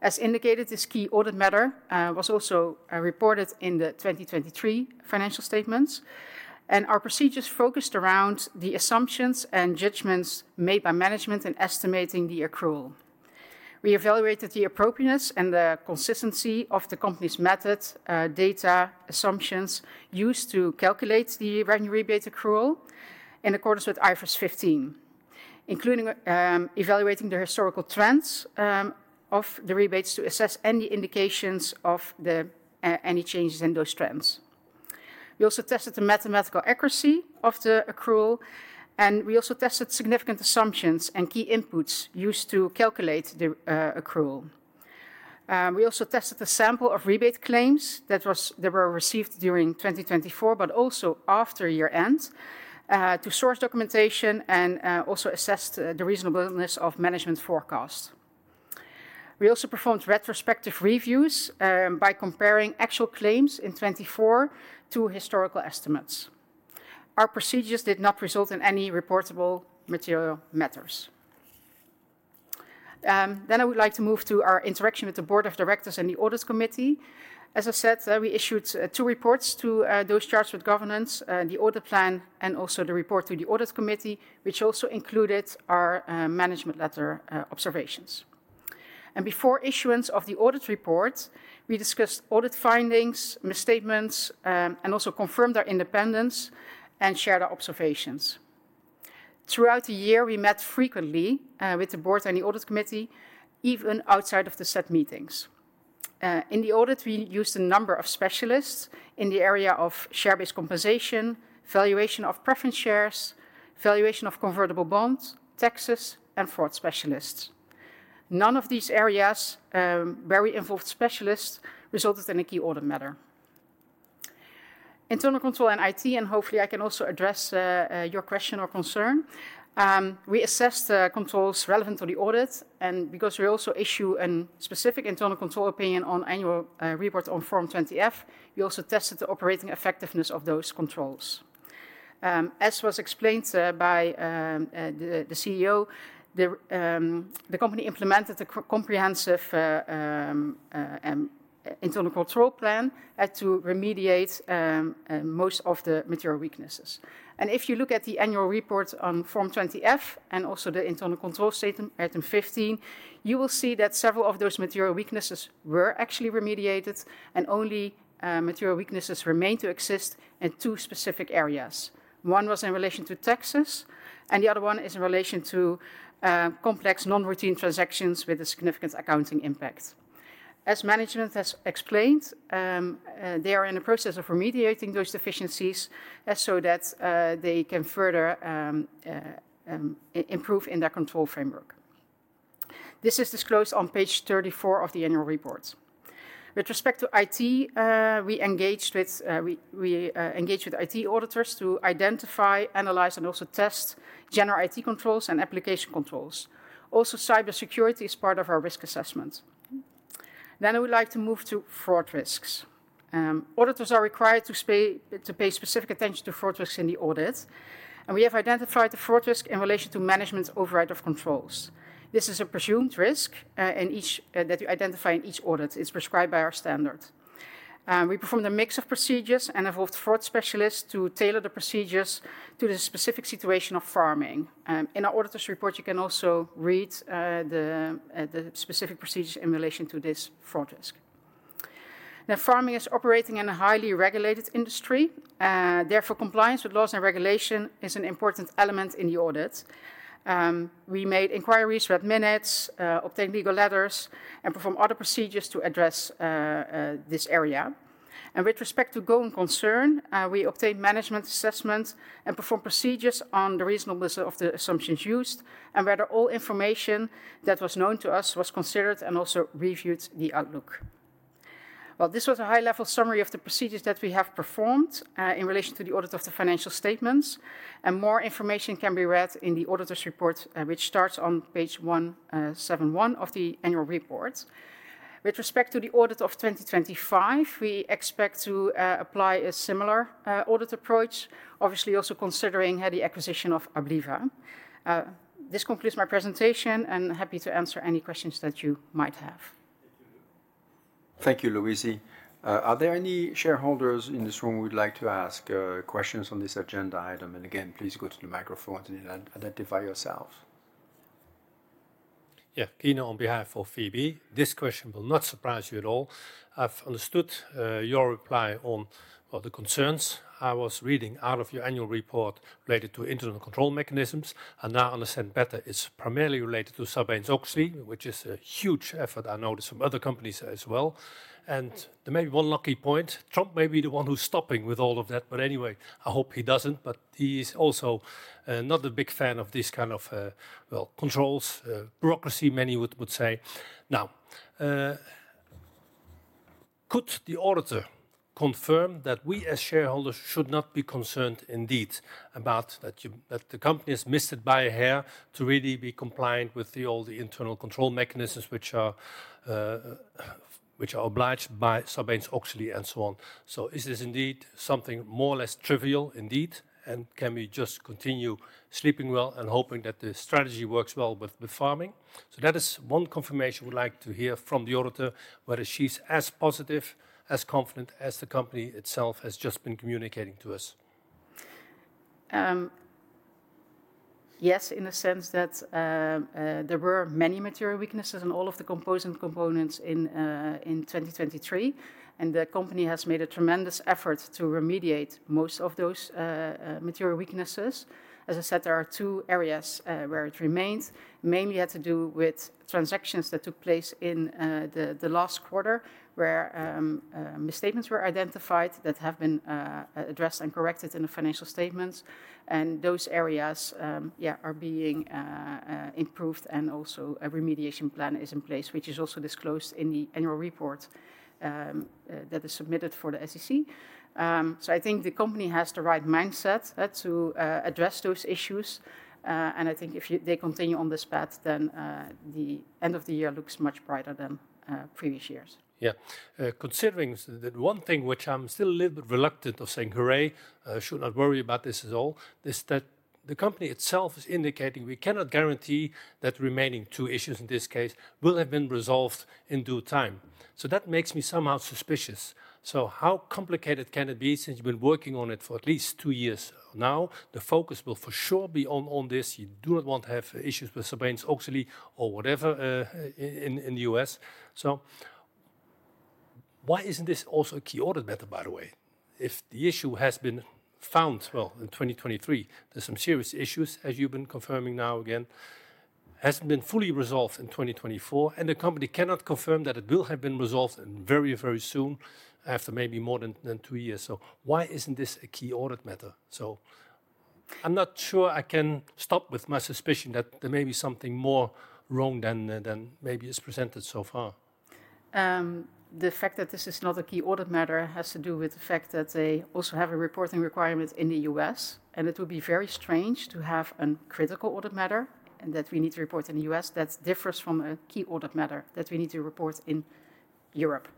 As indicated, this key audit matter was also reported in the 2023 financial statements, and our procedures focused around the assumptions and judgments made by management in estimating the accrual. We evaluated the appropriateness and the consistency of the company's method, data assumptions used to calculate the revenue rebate accrual in accordance with IFRS 15, including evaluating the historical trends of the rebates to assess any indications of any changes in those trends. We also tested the mathematical accuracy of the accrual, and we also tested significant assumptions and key inputs used to calculate the accrual. We also tested a sample of rebate claims that were received during 2024, but also after year-end, to source documentation and also assess the reasonableness of management forecast. We also performed retrospective reviews by comparing actual claims in 2024 to historical estimates. Our procedures did not result in any reportable material matters. I would like to move to our interaction with the board of directors and the audit committee. As I said, we issued two reports to those charged with governance, the audit plan, and also the report to the audit committee, which also included our management letter observations. Before issuance of the audit report, we discussed audit findings, misstatements, and also confirmed our independence and shared our observations. Throughout the year, we met frequently with the board and the audit committee, even outside of the set meetings. In the audit, we used a number of specialists in the area of share-based compensation, valuation of preference shares, valuation of convertible bonds, taxes, and fraud specialists. None of these areas where we involved specialists resulted in a key audit matter. Internal control and IT, and hopefully, I can also address your question or concern. We assessed the controls relevant to the audit, and because we also issue a specific internal control opinion on annual report on Form 20F, we also tested the operating effectiveness of those controls. As was explained by the CEO, the company implemented a comprehensive internal control plan to remediate most of the material weaknesses. If you look at the annual report on Form 20F and also the internal control statement item 15, you will see that several of those material weaknesses were actually remediated, and only material weaknesses remained to exist in two specific areas. One was in relation to taxes, and the other one is in relation to complex non-routine transactions with a significant accounting impact. As management has explained, they are in the process of remediating those deficiencies so that they can further improve in their control framework. This is disclosed on page 34 of the annual report. With respect to IT, we engaged with IT auditors to identify, analyze, and also test general IT controls and application controls. Also, cybersecurity is part of our risk assessment. I would like to move to fraud risks. Auditors are required to pay specific attention to fraud risks in the audit, and we have identified the fraud risk in relation to management's override of controls. This is a presumed risk that you identify in each audit. It's prescribed by our standard. We performed a mix of procedures and involved fraud specialists to tailor the procedures to the specific situation of Pharming. In our auditor's report, you can also read the specific procedures in relation to this fraud risk. Now, Pharming is operating in a highly regulated industry. Therefore, compliance with laws and regulation is an important element in the audit. We made inquiries, read minutes, obtained legal letters, and performed other procedures to address this area. With respect to growing concern, we obtained management assessment and performed procedures on the reasonableness of the assumptions used and whether all information that was known to us was considered and also reviewed the outlook. This was a high-level summary of the procedures that we have performed in relation to the audit of the financial statements, and more information can be read in the auditor's report, which starts on page 171 of the annual report. With respect to the audit of 2025, we expect to apply a similar audit approach, obviously also considering the acquisition of Abliva. This concludes my presentation, and happy to answer any questions that you might have. Thank you, Louise. Are there any shareholders in this room who would like to ask questions on this agenda item? Again, please go to the microphone and identify yourselves. Yeah, Keenan on behalf of VB. This question will not surprise you at all. I've understood your reply on the concerns. I was reading out of your annual report related to internal control mechanisms and now understand better it's primarily related to Sarbanes-Oxley, which is a huge effort I noticed from other companies as well. There may be one lucky point. Trump may be the one who's stopping with all of that, but anyway, I hope he doesn't, but he is also not a big fan of this kind of, well, controls, bureaucracy, many would say. Now, could the auditor confirm that we as shareholders should not be concerned indeed about that the company has missed it by a hair to really be compliant with all the internal control mechanisms which are obliged by Sarbanes-Oxley and so on? Is this indeed something more or less trivial indeed? Can we just continue sleeping well and hoping that the strategy works well with Pharming? That is one confirmation we'd like to hear from the auditor, whether she's as positive, as confident as the company itself has just been communicating to us. Yes, in a sense that there were many material weaknesses in all of the composite components in 2023, and the company has made a tremendous effort to remediate most of those material weaknesses. As I said, there are two areas where it remained. Mainly had to do with transactions that took place in the last quarter where misstatements were identified that have been addressed and corrected in the financial statements. Those areas, yeah, are being improved and also a remediation plan is in place, which is also disclosed in the annual report that is submitted for the SEC. I think the company has the right mindset to address those issues. I think if they continue on this path, then the end of the year looks much brighter than previous years. Yeah. Considering that one thing which I'm still a little bit reluctant of saying, hooray, should not worry about this at all, is that the company itself is indicating we cannot guarantee that remaining two issues in this case will have been resolved in due time. That makes me somehow suspicious. How complicated can it be since you've been working on it for at least two years now? The focus will for sure be on this. You do not want to have issues with Sarbanes-Oxley or whatever in the U.S. Why isn't this also a key audit matter, by the way? If the issue has been found, in 2023, there's some serious issues, as you've been confirming now again, hasn't been fully resolved in 2024, and the company cannot confirm that it will have been resolved very, very soon after maybe more than two years. Why isn't this a key audit matter? I'm not sure I can stop with my suspicion that there may be something more wrong than maybe it's presented so far. The fact that this is not a key audit matter has to do with the fact that they also have a reporting requirement in the US, and it would be very strange to have a critical audit matter that we need to report in the US that differs from a key audit matter that we need to report in Europe.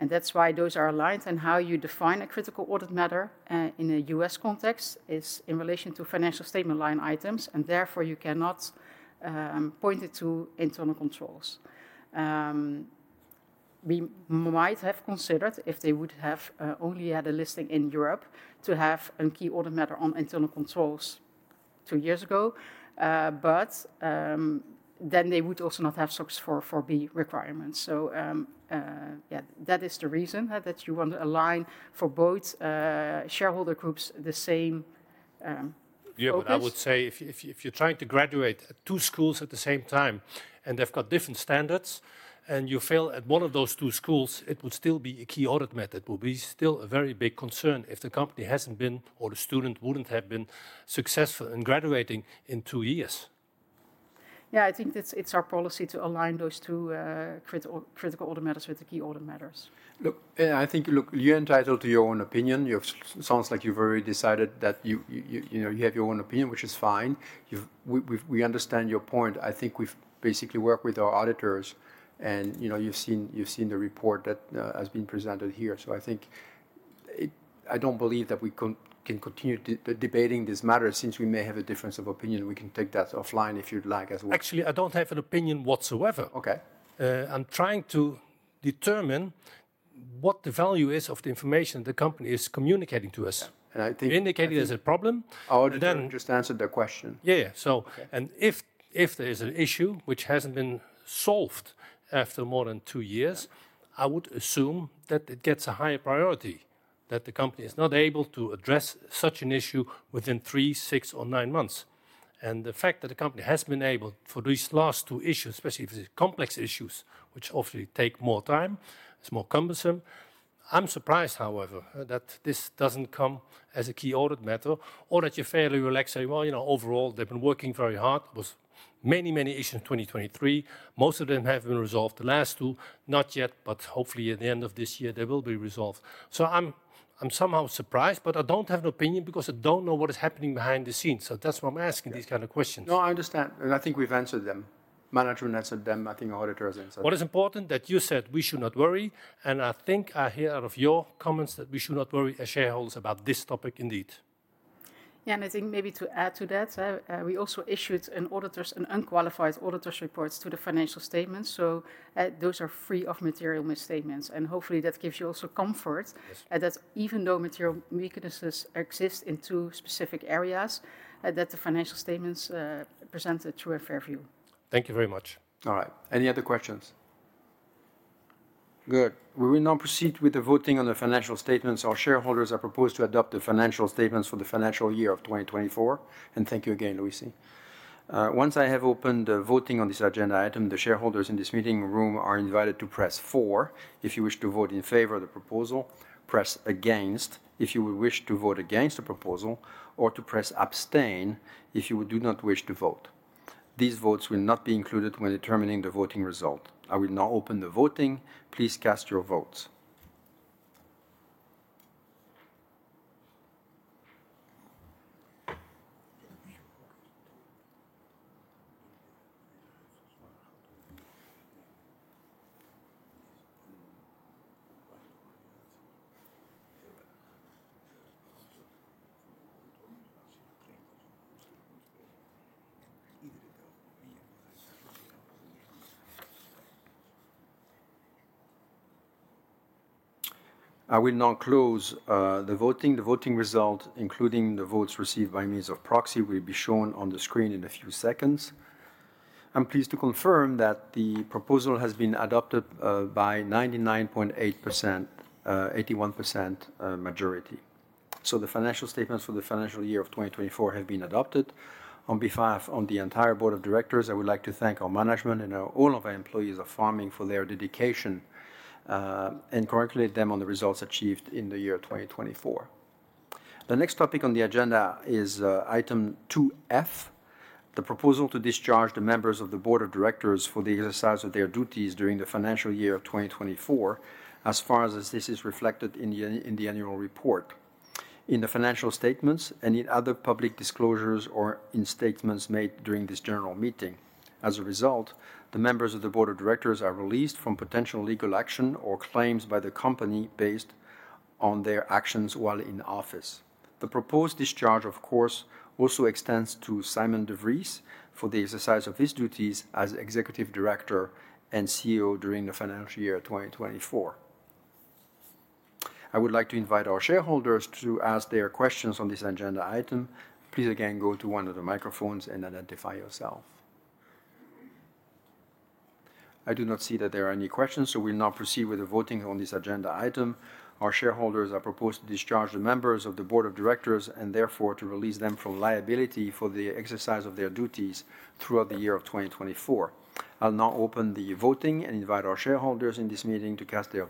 That is why those are aligned and how you define a critical audit matter in a US context is in relation to financial statement line items, and therefore you cannot point it to internal controls. We might have considered if they would have only had a listing in Europe to have a key audit matter on internal controls two years ago, but then they would also not have SOX 404 requirements. Yeah, that is the reason that you want to align for both shareholder groups the same audits. Yeah, but I would say if you're trying to graduate at two schools at the same time and they've got different standards and you fail at one of those two schools, it would still be a key audit matter. It would be still a very big concern if the company hasn't been or the student wouldn't have been successful in graduating in two years. Yeah, I think it's our policy to align those two critical audit matters with the key audit matters. Look, I think, look, you're entitled to your own opinion. It sounds like you've already decided that you have your own opinion, which is fine. We understand your point. I think we've basically worked with our auditors and you've seen the report that has been presented here. I think I don't believe that we can continue debating this matter since we may have a difference of opinion. We can take that offline if you'd like as well. Actually, I don't have an opinion whatsoever. I'm trying to determine what the value is of the information the company is communicating to us. You're indicating there's a problem. I would have just answered the question. Yeah, yeah. If there is an issue which has not been solved after more than two years, I would assume that it gets a higher priority, that the company is not able to address such an issue within three, six, or nine months. The fact that the company has been able for these last two issues, especially if it is complex issues, which obviously take more time, it is more cumbersome. I am surprised, however, that this does not come as a key audit matter or that you are fairly relaxed saying, you know, overall, they have been working very hard. There were many, many issues in 2023. Most of them have been resolved. The last two, not yet, but hopefully at the end of this year, they will be resolved. I am somehow surprised, but I do not have an opinion because I do not know what is happening behind the scenes. That's why I'm asking these kinds of questions. No, I understand. I think we've answered them. Management answered them. I think auditors answered them. What is important that you said we should not worry, and I think I hear out of your comments that we should not worry as shareholders about this topic indeed. Yeah, and I think maybe to add to that, we also issued an unqualified auditor's report to the financial statements. Those are free of material misstatements. Hopefully that gives you also comfort that even though material weaknesses exist in two specific areas, the financial statements present a true and fair view. Thank you very much. All right. Any other questions? Good. Will we now proceed with the voting on the financial statements? Our shareholders are proposed to adopt the financial statements for the financial year of 2024. Thank you again, Louise. Once I have opened the voting on this agenda item, the shareholders in this meeting room are invited to press four if you wish to vote in favor of the proposal, press against if you wish to vote against the proposal, or press abstain if you do not wish to vote. These votes will not be included when determining the voting result. I will now open the voting. Please cast your votes. I will now close the voting. The voting result, including the votes received by means of proxy, will be shown on the screen in a few seconds. I'm pleased to confirm that the proposal has been adopted by 99.8%, 81% majority. The financial statements for the financial year of 2024 have been adopted. On behalf of the entire board of directors, I would like to thank our management and all of our employees of Pharming for their dedication and congratulate them on the results achieved in the year 2024. The next topic on the agenda is item 2F, the proposal to discharge the members of the board of directors for the exercise of their duties during the financial year of 2024, as far as this is reflected in the annual report, in the financial statements, any other public disclosures, or in statements made during this general meeting. As a result, the members of the board of directors are released from potential legal action or claims by the company based on their actions while in office. The proposed discharge, of course, also extends to Simon de Vries for the exercise of his duties as Executive Director and CEO during the financial year 2024. I would like to invite our shareholders to ask their questions on this agenda item. Please again go to one of the microphones and identify yourself. I do not see that there are any questions, so we'll now proceed with the voting on this agenda item. Our shareholders are proposed to discharge the members of the board of directors and therefore to release them from liability for the exercise of their duties throughout the year of 2024. I'll now open the voting and invite our shareholders in this meeting to cast their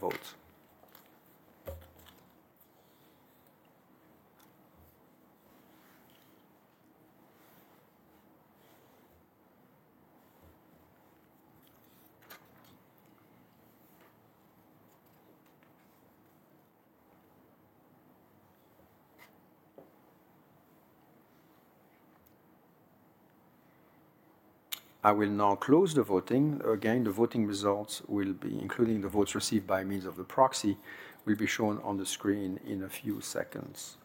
votes. I will now close the voting. Again, the voting results, including the votes received by means of the proxy, will be shown on the screen in a few seconds.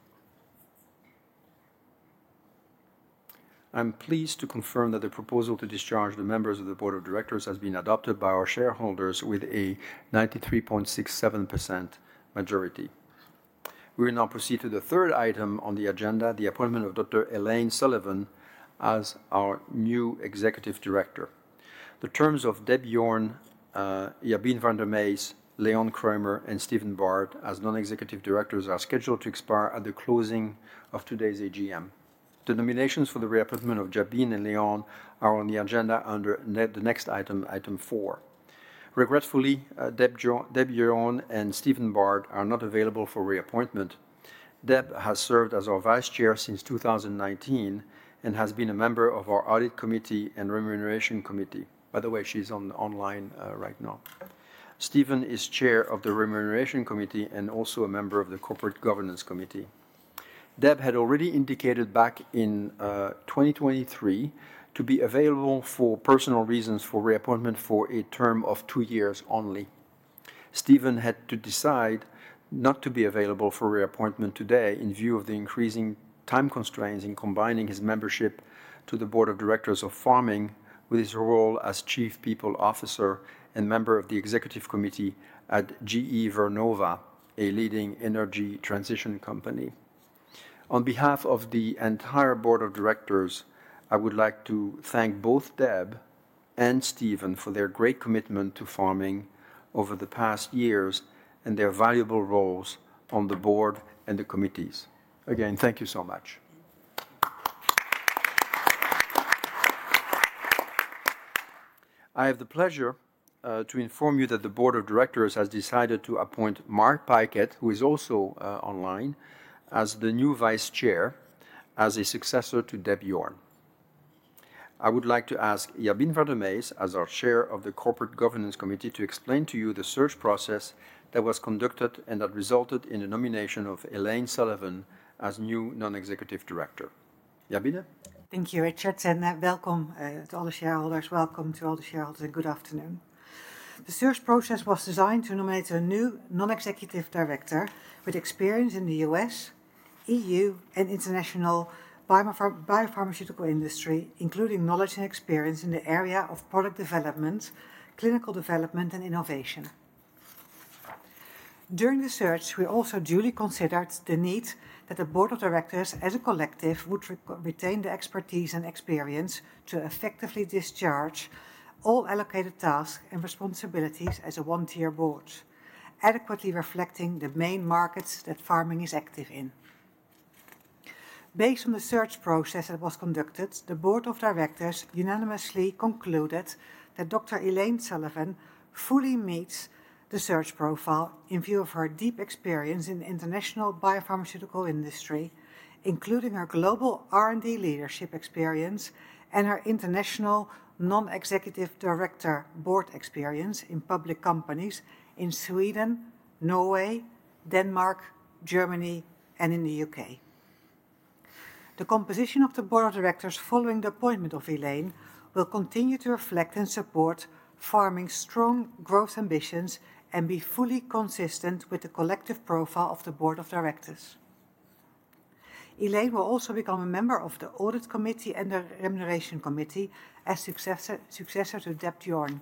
I'm pleased to confirm that the proposal to discharge the members of the board of directors has been adopted by our shareholders with a 93.67% majority. We will now proceed to the third item on the agenda, the appointment of Dr. Elaine Sullivan as our new executive director. The terms of Deb Yorn, Jabine van der Meijs, Leon Kramer, and Steven Barr as non-executive directors are scheduled to expire at the closing of today's AGM. The nominations for the reappointment of Jabine and Leon are on the agenda under the next item, item 4. Regretfully, Deb Yorn and Steven Barr are not available for reappointment. Deb has served as our vice chair since 2019 and has been a member of our audit committee and remuneration committee. By the way, she's online right now. Steven is chair of the remuneration committee and also a member of the corporate governance committee. Deb had already indicated back in 2023 to be available for personal reasons for reappointment for a term of two years only. Stephen had to decide not to be available for reappointment today in view of the increasing time constraints in combining his membership to the board of directors of Pharming with his role as Chief People Officer and member of the executive committee at GE Vernova, a leading energy transition company. On behalf of the entire board of directors, I would like to thank both Deb and Stephen for their great commitment to Pharming over the past years and their valuable roles on the board and the committees. Again, thank you so much. I have the pleasure to inform you that the board of directors has decided to appoint Mark Pickett, who is also online, as the new vice chair as a successor to Deb Yorn. I would like to ask Jabine van der Meijs as our Chair of the Corporate Governance Committee to explain to you the search process that was conducted and that resulted in the nomination of Elaine Sullivan as new Non-Executive Director. Jabine? Thank you, Richard. Welcome to all the shareholders and good afternoon. The search process was designed to nominate a new non-executive director with experience in the U.S., EU, and international biopharmaceutical industry, including knowledge and experience in the area of product development, clinical development, and innovation. During the search, we also duly considered the need that the board of directors as a collective would retain the expertise and experience to effectively discharge all allocated tasks and responsibilities as a one-tier board, adequately reflecting the main markets that Pharming is active in. Based on the search process that was conducted, the board of directors unanimously concluded that Dr. Elaine Sullivan fully meets the search profile in view of her deep experience in the international biopharmaceutical industry, including her global R&D leadership experience and her international non-executive director board experience in public companies in Sweden, Norway, Denmark, Germany, and in the UK. The composition of the board of directors following the appointment of Elaine will continue to reflect and support Pharming's strong growth ambitions and be fully consistent with the collective profile of the board of directors. Elaine will also become a member of the audit committee and the remuneration committee as successor to Deb Yorn.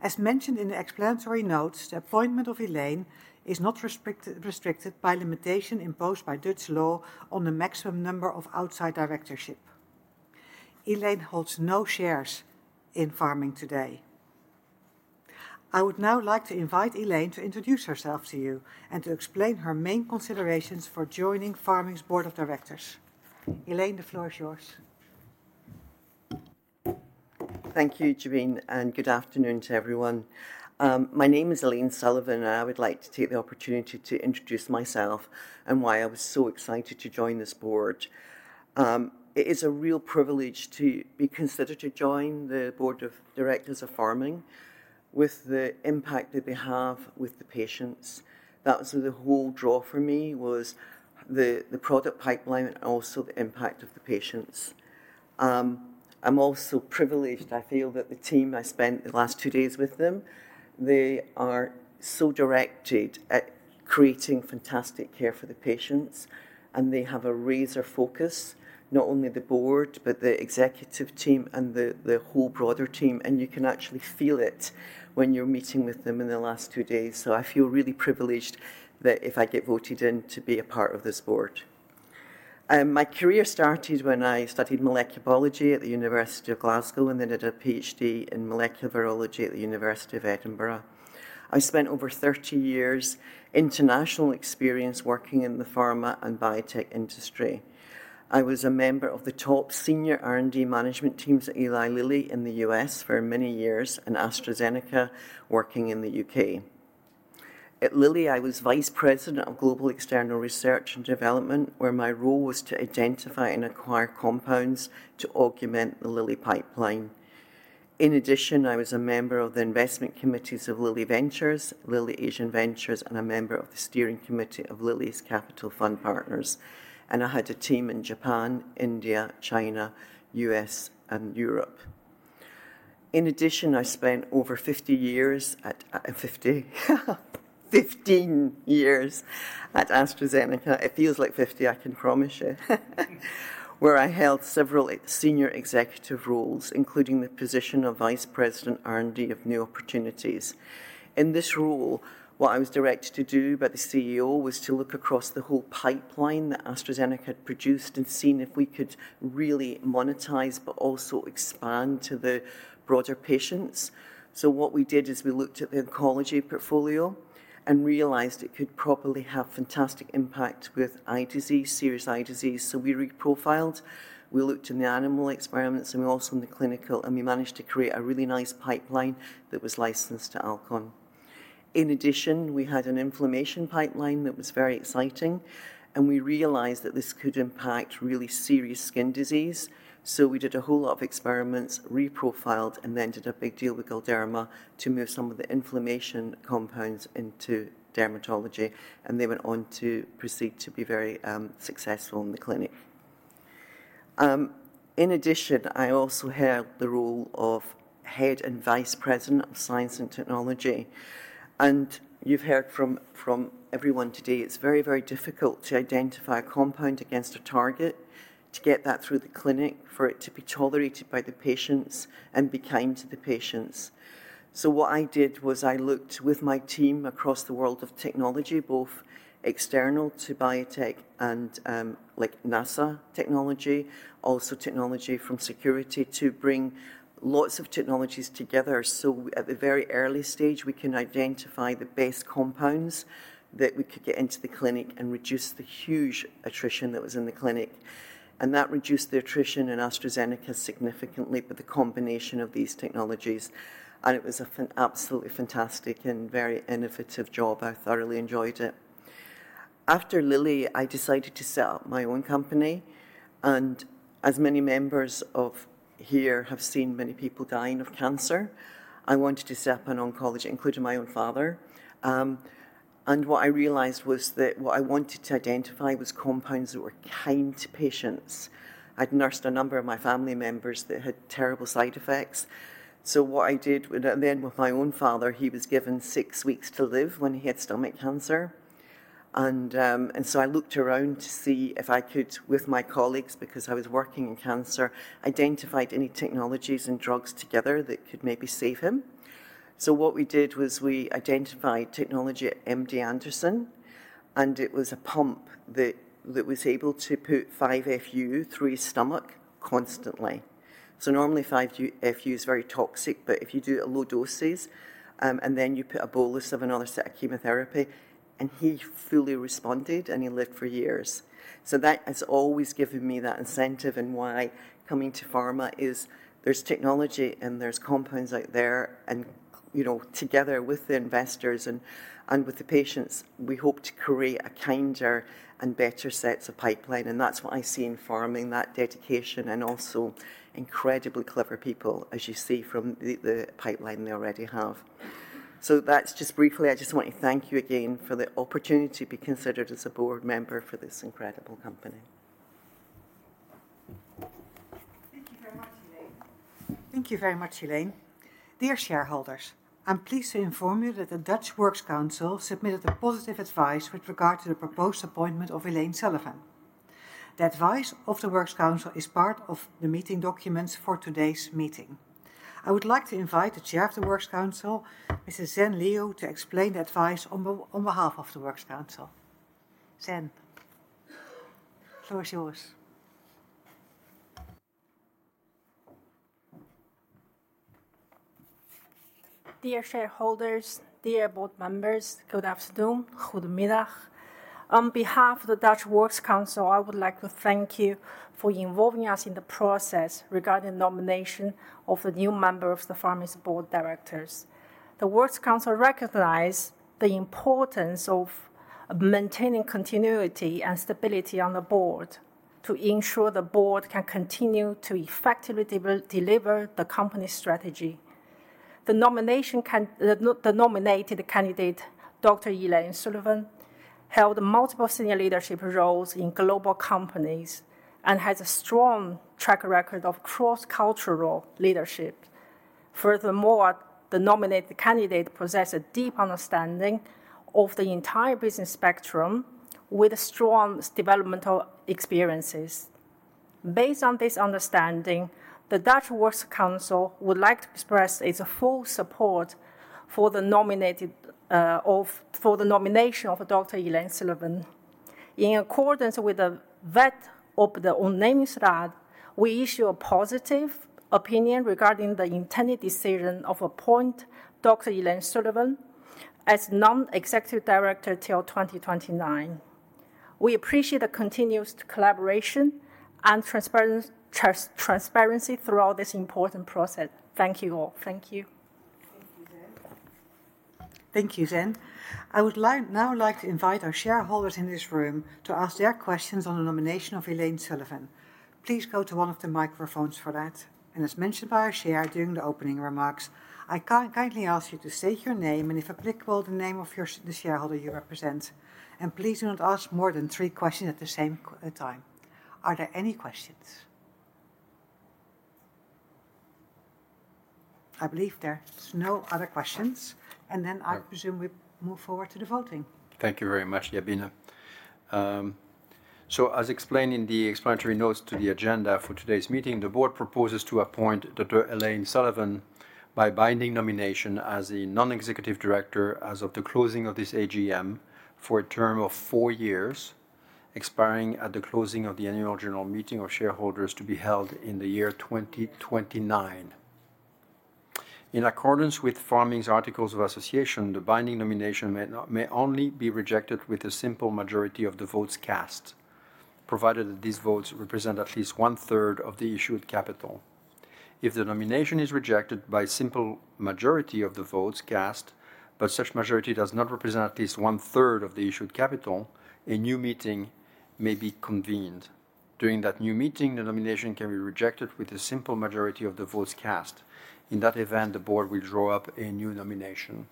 As mentioned in the explanatory notes, the appointment of Elaine is not restricted by limitation imposed by Dutch law on the maximum number of outside directorship. Elaine holds no shares in Pharming today. I would now like to invite Elaine to introduce herself to you and to explain her main considerations for joining Pharming's board of directors. Elaine, the floor is yours. Thank you, Jabine, and good afternoon to everyone. My name is Elaine Sullivan, and I would like to take the opportunity to introduce myself and why I was so excited to join this board. It is a real privilege to be considered to join the board of directors of Pharming with the impact that they have with the patients. That was the whole draw for me, was the product pipeline and also the impact of the patients. I am also privileged. I feel that the team, I spent the last two days with them, they are so directed at creating fantastic care for the patients, and they have a razor focus, not only the board, but the executive team and the whole broader team. You can actually feel it when you are meeting with them in the last two days. I feel really privileged that if I get voted in to be a part of this board. My career started when I studied molecular biology at the University of Glasgow and then did a PhD in molecular virology at the University of Edinburgh. I spent over 30 years of international experience working in the pharma and biotech industry. I was a member of the top senior R&D management teams at Eli Lilly in the US for many years and AstraZeneca working in the UK. At Lilly, I was Vice President of Global External Research and Development, where my role was to identify and acquire compounds to augment the Lilly pipeline. In addition, I was a member of the investment committees of Lilly Ventures, Lilly Asian Ventures, and a member of the steering committee of Lilly's Capital Fund Partners. I had a team in Japan, India, China, US, and Europe. In addition, I spent over 15 years at AstraZeneca. It feels like 50, I can promise you, where I held several senior executive roles, including the position of Vice President R&D of new opportunities. In this role, what I was directed to do by the CEO was to look across the whole pipeline that AstraZeneca had produced and see if we could really monetize, but also expand to the broader patients. What we did is we looked at the oncology portfolio and realized it could probably have fantastic impact with eye disease, serious eye disease. We reprofiled. We looked in the animal experiments and we also in the clinical, and we managed to create a really nice pipeline that was licensed to Alcon. In addition, we had an inflammation pipeline that was very exciting, and we realized that this could impact really serious skin disease. We did a whole lot of experiments, reprofiled, and then did a big deal with Galderma to move some of the inflammation compounds into dermatology. They went on to proceed to be very successful in the clinic. In addition, I also held the role of Head and Vice President of Science and Technology. You have heard from everyone today, it is very, very difficult to identify a compound against a target, to get that through the clinic, for it to be tolerated by the patients and be kind to the patients. What I did was I looked with my team across the world of technology, both external to biotech and like NASA technology, also technology from security to bring lots of technologies together. At the very early stage, we can identify the best compounds that we could get into the clinic and reduce the huge attrition that was in the clinic. That reduced the attrition in AstraZeneca significantly with the combination of these technologies. It was an absolutely fantastic and very innovative job. I thoroughly enjoyed it. After Lilly, I decided to set up my own company. As many members here have seen many people dying of cancer, I wanted to set up an oncology, including my own father. What I realized was that what I wanted to identify was compounds that were kind to patients. I had nursed a number of my family members that had terrible side effects. What I did then with my own father, he was given six weeks to live when he had stomach cancer. I looked around to see if I could, with my colleagues, because I was working in cancer, identify any technologies and drugs together that could maybe save him. What we did was we identified technology at MD Anderson, and it was a pump that was able to put 5FU through his stomach constantly. Normally 5FU is very toxic, but if you do it at low doses and then you put a bolus of another set of chemotherapy, and he fully responded and he lived for years. That has always given me that incentive and why coming to pharma is there's technology and there's compounds out there and together with the investors and with the patients, we hope to create a kinder and better sets of pipeline. That's what I see in Pharming, that dedication and also incredibly clever people, as you see from the pipeline they already have. That's just briefly. I just want to thank you again for the opportunity to be considered as a board member for this incredible company. Thank you very much, Elaine. Thank you very much, Elaine. Dear shareholders, I'm pleased to inform you that the Dutch Works Council submitted a positive advice with regard to the proposed appointment of Elaine Sullivan. The advice of the Works Council is part of the meeting documents for today's meeting. I would like to invite the Chair of the Works Council, Mr. Zhen Liu, to explain the advice on behalf of the Works Council. Zhen, the floor is yours. Dear shareholders, dear board members, good afternoon, good midday. On behalf of the Dutch Works Council, I would like to thank you for involving us in the process regarding the nomination of the new members of the Pharming board of directors. The Works Council recognizes the importance of maintaining continuity and stability on the board to ensure the board can continue to effectively deliver the company's strategy. The nominated candidate, Dr. Elaine Sullivan, held multiple senior leadership roles in global companies and has a strong track record of cross-cultural leadership. Furthermore, the nominated candidate possesses a deep understanding of the entire business spectrum with strong developmental experiences. Based on this understanding, the Dutch Works Council would like to express its full support for the nomination of Dr. Elaine Sullivan. In accordance with the vet of the unnamed slot, we issue a positive opinion regarding the intended decision of appointing Dr. Elaine Sullivan as Non-Executive Director till 2029. We appreciate the continuous collaboration and transparency throughout this important process. Thank you all. Thank you. Thank you, Zhen. Thank you, Zhen. I would now like to invite our shareholders in this room to ask their questions on the nomination of Elaine Sullivan. Please go to one of the microphones for that. As mentioned by our Chair during the opening remarks, I kindly ask you to state your name and, if applicable, the name of the shareholder you represent. Please do not ask more than three questions at the same time. Are there any questions? I believe there are no other questions. I presume we move forward to the voting. Thank you very much, Jabine. As explained in the explanatory notes to the agenda for today's meeting, the board proposes to appoint Dr. Elaine Sullivan by binding nomination as a non-executive director as of the closing of this AGM for a term of four years, expiring at the closing of the annual general meeting of shareholders to be held in the year 2029. In accordance with Pharming's articles of association, the binding nomination may only be rejected with a simple majority of the votes cast, provided that these votes represent at least one-third of the issued capital. If the nomination is rejected by a simple majority of the votes cast, but such majority does not represent at least one-third of the issued capital, a new meeting may be convened. During that new meeting, the nomination can be rejected with a simple majority of the votes cast. In that event, the board will draw up a new nomination.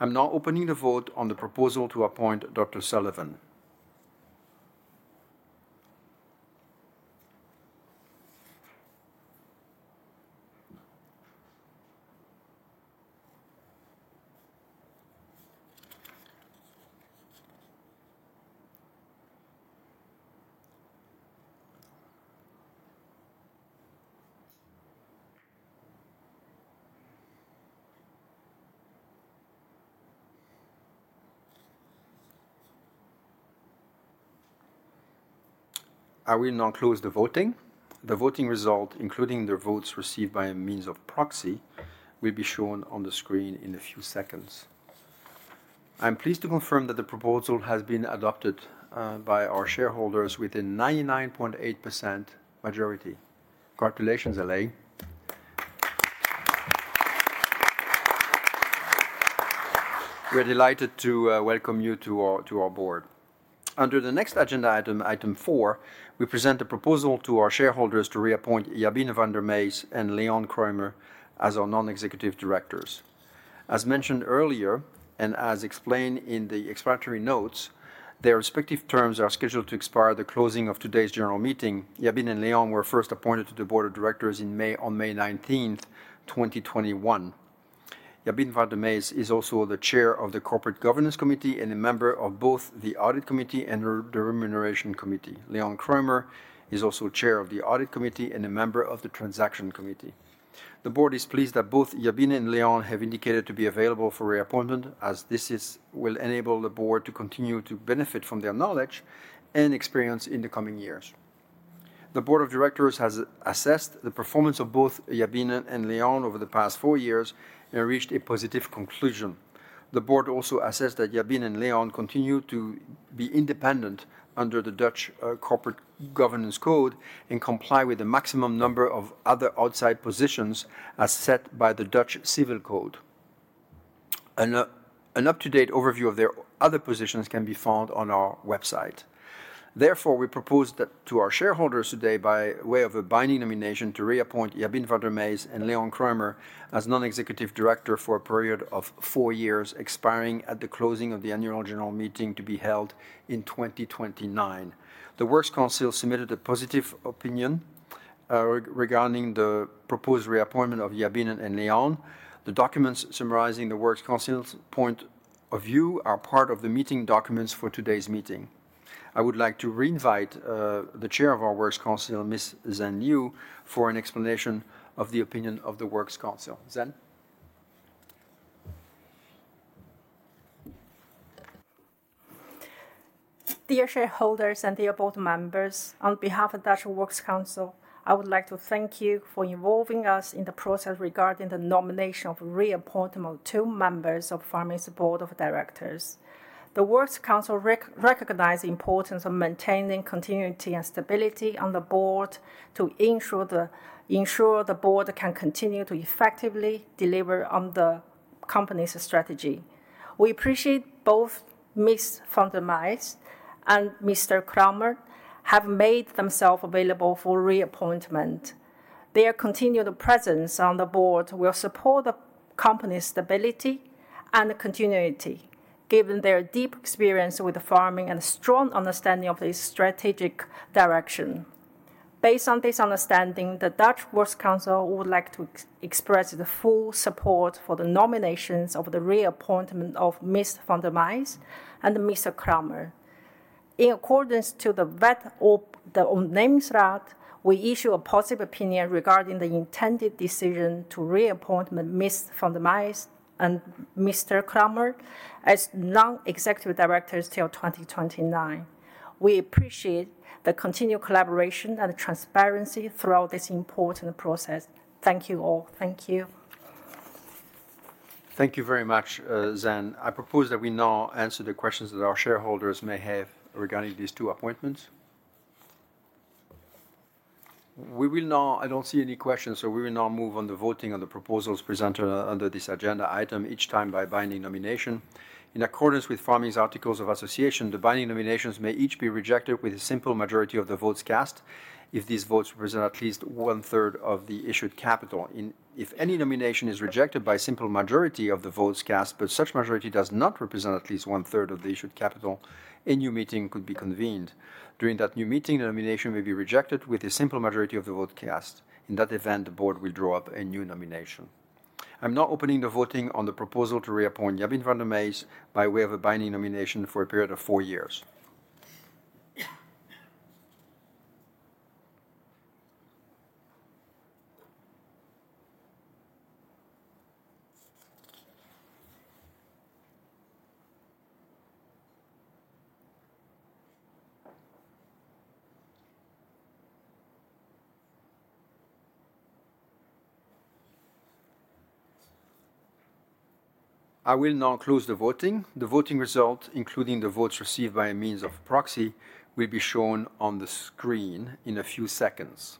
I'm now opening the vote on the proposal to appoint Dr. Sullivan. I will now close the voting. The voting result, including the votes received by means of proxy, will be shown on the screen in a few seconds. I'm pleased to confirm that the proposal has been adopted by our shareholders with a 99.8% majority. Congratulations, Elaine. We're delighted to welcome you to our board. Under the next agenda item, item four, we present a proposal to our shareholders to reappoint Jabine van der Meijs and Leon Kramer as our non-executive directors. As mentioned earlier and as explained in the explanatory notes, their respective terms are scheduled to expire at the closing of today's general meeting. Jabine and Leon were first appointed to the board of directors on May 19th, 2021. Jabine van der Meijs is also the chair of the corporate governance committee and a member of both the audit committee and the remuneration committee. Leon Kramer is also chair of the audit committee and a member of the transaction committee. The board is pleased that both Jabine and Leon have indicated to be available for reappointment, as this will enable the board to continue to benefit from their knowledge and experience in the coming years. The board of directors has assessed the performance of both Jabine and Leon over the past four years and reached a positive conclusion. The board also assessed that Jabine and Leon continue to be independent under the Dutch corporate governance code and comply with the maximum number of other outside positions as set by the Dutch civil code. An up-to-date overview of their other positions can be found on our website. Therefore, we propose to our shareholders today by way of a binding nomination to reappoint Jabine van der Meijs and Leon Kramer as non-executive director for a period of four years, expiring at the closing of the annual general meeting to be held in 2029. The Works Council submitted a positive opinion regarding the proposed reappointment of Jabine and Leon. The documents summarizing the Works Council's point of view are part of the meeting documents for today's meeting. I would like to reinvite the chair of our Works Council, Ms. Zhen Liu, for an explanation of the opinion of the Works Council. Zhen. Dear shareholders and dear board members, on behalf of the Dutch Works Council, I would like to thank you for involving us in the process regarding the nomination of reappointment of two members of Pharming's board of directors. The Works Council recognizes the importance of maintaining continuity and stability on the board to ensure the board can continue to effectively deliver on the company's strategy. We appreciate both Ms. van der Meijs and Mr. Kramer have made themselves available for reappointment. Their continued presence on the board will support the company's stability and continuity, given their deep experience with Pharming and strong understanding of the strategic direction. Based on this understanding, the Dutch Works Council would like to express the full support for the nominations of the reappointment of Ms. van der Meijs and Mr. Kramer. In accordance to the vet of the unnamed slot, we issue a positive opinion regarding the intended decision to reappoint Ms. van der Meijs and Mr. Kramer as non-executive directors till 2029. We appreciate the continued collaboration and transparency throughout this important process. Thank you all. Thank you. Thank you very much, Zhen. I propose that we now answer the questions that our shareholders may have regarding these two appointments. I do not see any questions, so we will now move on to voting on the proposals presented under this agenda item each time by binding nomination. In accordance with Pharming's articles of association, the binding nominations may each be rejected with a simple majority of the votes cast if these votes represent at least one-third of the issued capital. If any nomination is rejected by a simple majority of the votes cast, but such majority does not represent at least one-third of the issued capital, a new meeting could be convened. During that new meeting, the nomination may be rejected with a simple majority of the votes cast. In that event, the board will draw up a new nomination. I'm now opening the voting on the proposal to reappoint Jabine van der Meijs by way of a binding nomination for a period of four years. I will now close the voting. The voting result, including the votes received by means of proxy, will be shown on the screen in a few seconds.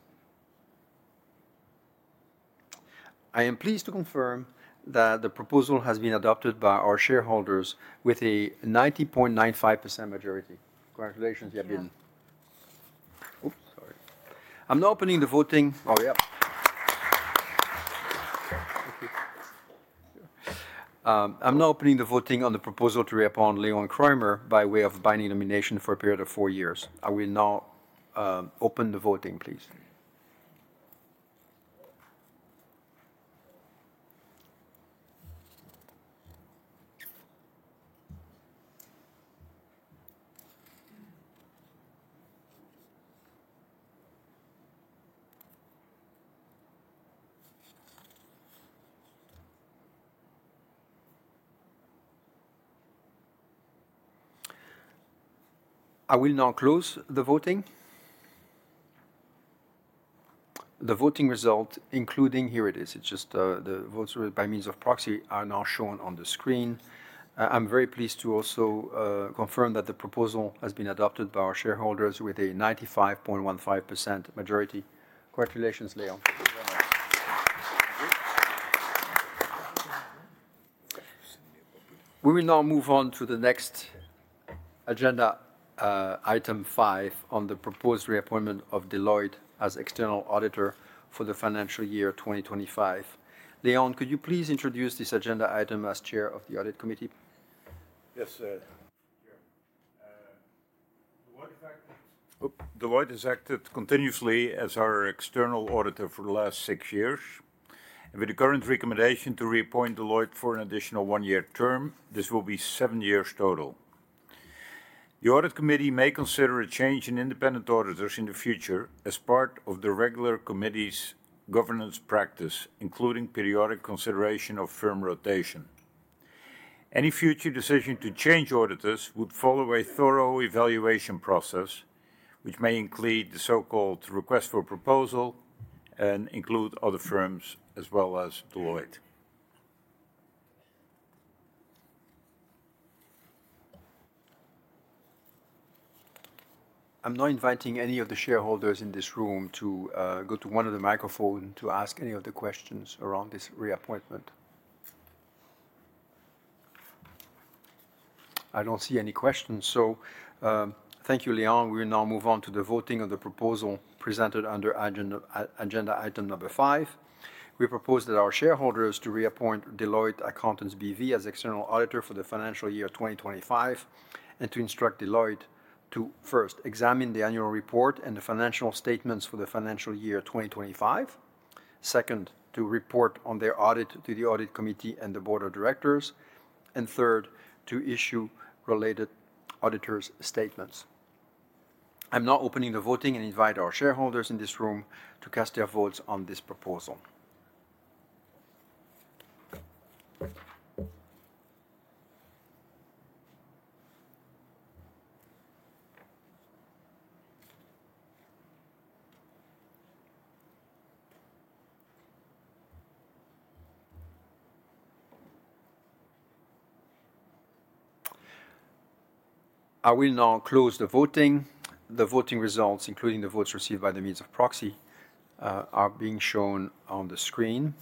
I am pleased to confirm that the proposal has been adopted by our shareholders with a 90.95% majority. Congratulations, Jabine. Oops, sorry. I'm now opening the voting. Oh, yeah. I'm now opening the voting on the proposal to reappoint Leon Kramer by way of binding nomination for a period of four years. I will now open the voting, please. I will now close the voting. The voting result, including here it is, it's just the votes by means of proxy are now shown on the screen. I'm very pleased to also confirm that the proposal has been adopted by our shareholders with a 95.15% majority. Congratulations, Leon. We will now move on to the next agenda item, item five on the proposed reappointment of Deloitte as external auditor for the financial year 2025. Leon, could you please introduce this agenda item as Chair of the Audit Committee? Yes, sir. Deloitte Accountants B.V. has continuously acted as our external auditor for the last six years. With the current recommendation to reappoint Deloitte for an additional one-year term, this will be seven years total. The Audit Committee may consider a change in independent auditors in the future as part of the regular committee's governance practice, including periodic consideration of firm rotation. Any future decision to change auditors would follow a thorough evaluation process, which may include the so-called request for proposal and include other firms as well as Deloitte. I'm now inviting any of the shareholders in this room to go to one of the microphones to ask any of the questions around this reappointment. I don't see any questions, so thank you, Leon. We will now move on to the voting on the proposal presented under agenda item number five. We propose that our shareholders reappoint Deloitte Accountants B.V. as external auditor for the financial year 2025 and to instruct Deloitte to, first, examine the annual report and the financial statements for the financial year 2025. Second, to report on their audit to the audit committee and the board of directors. Third, to issue related auditor's statements. I'm now opening the voting and invite our shareholders in this room to cast their votes on this proposal. I will now close the voting. The voting results, including the votes received by means of proxy, are being shown on the screen.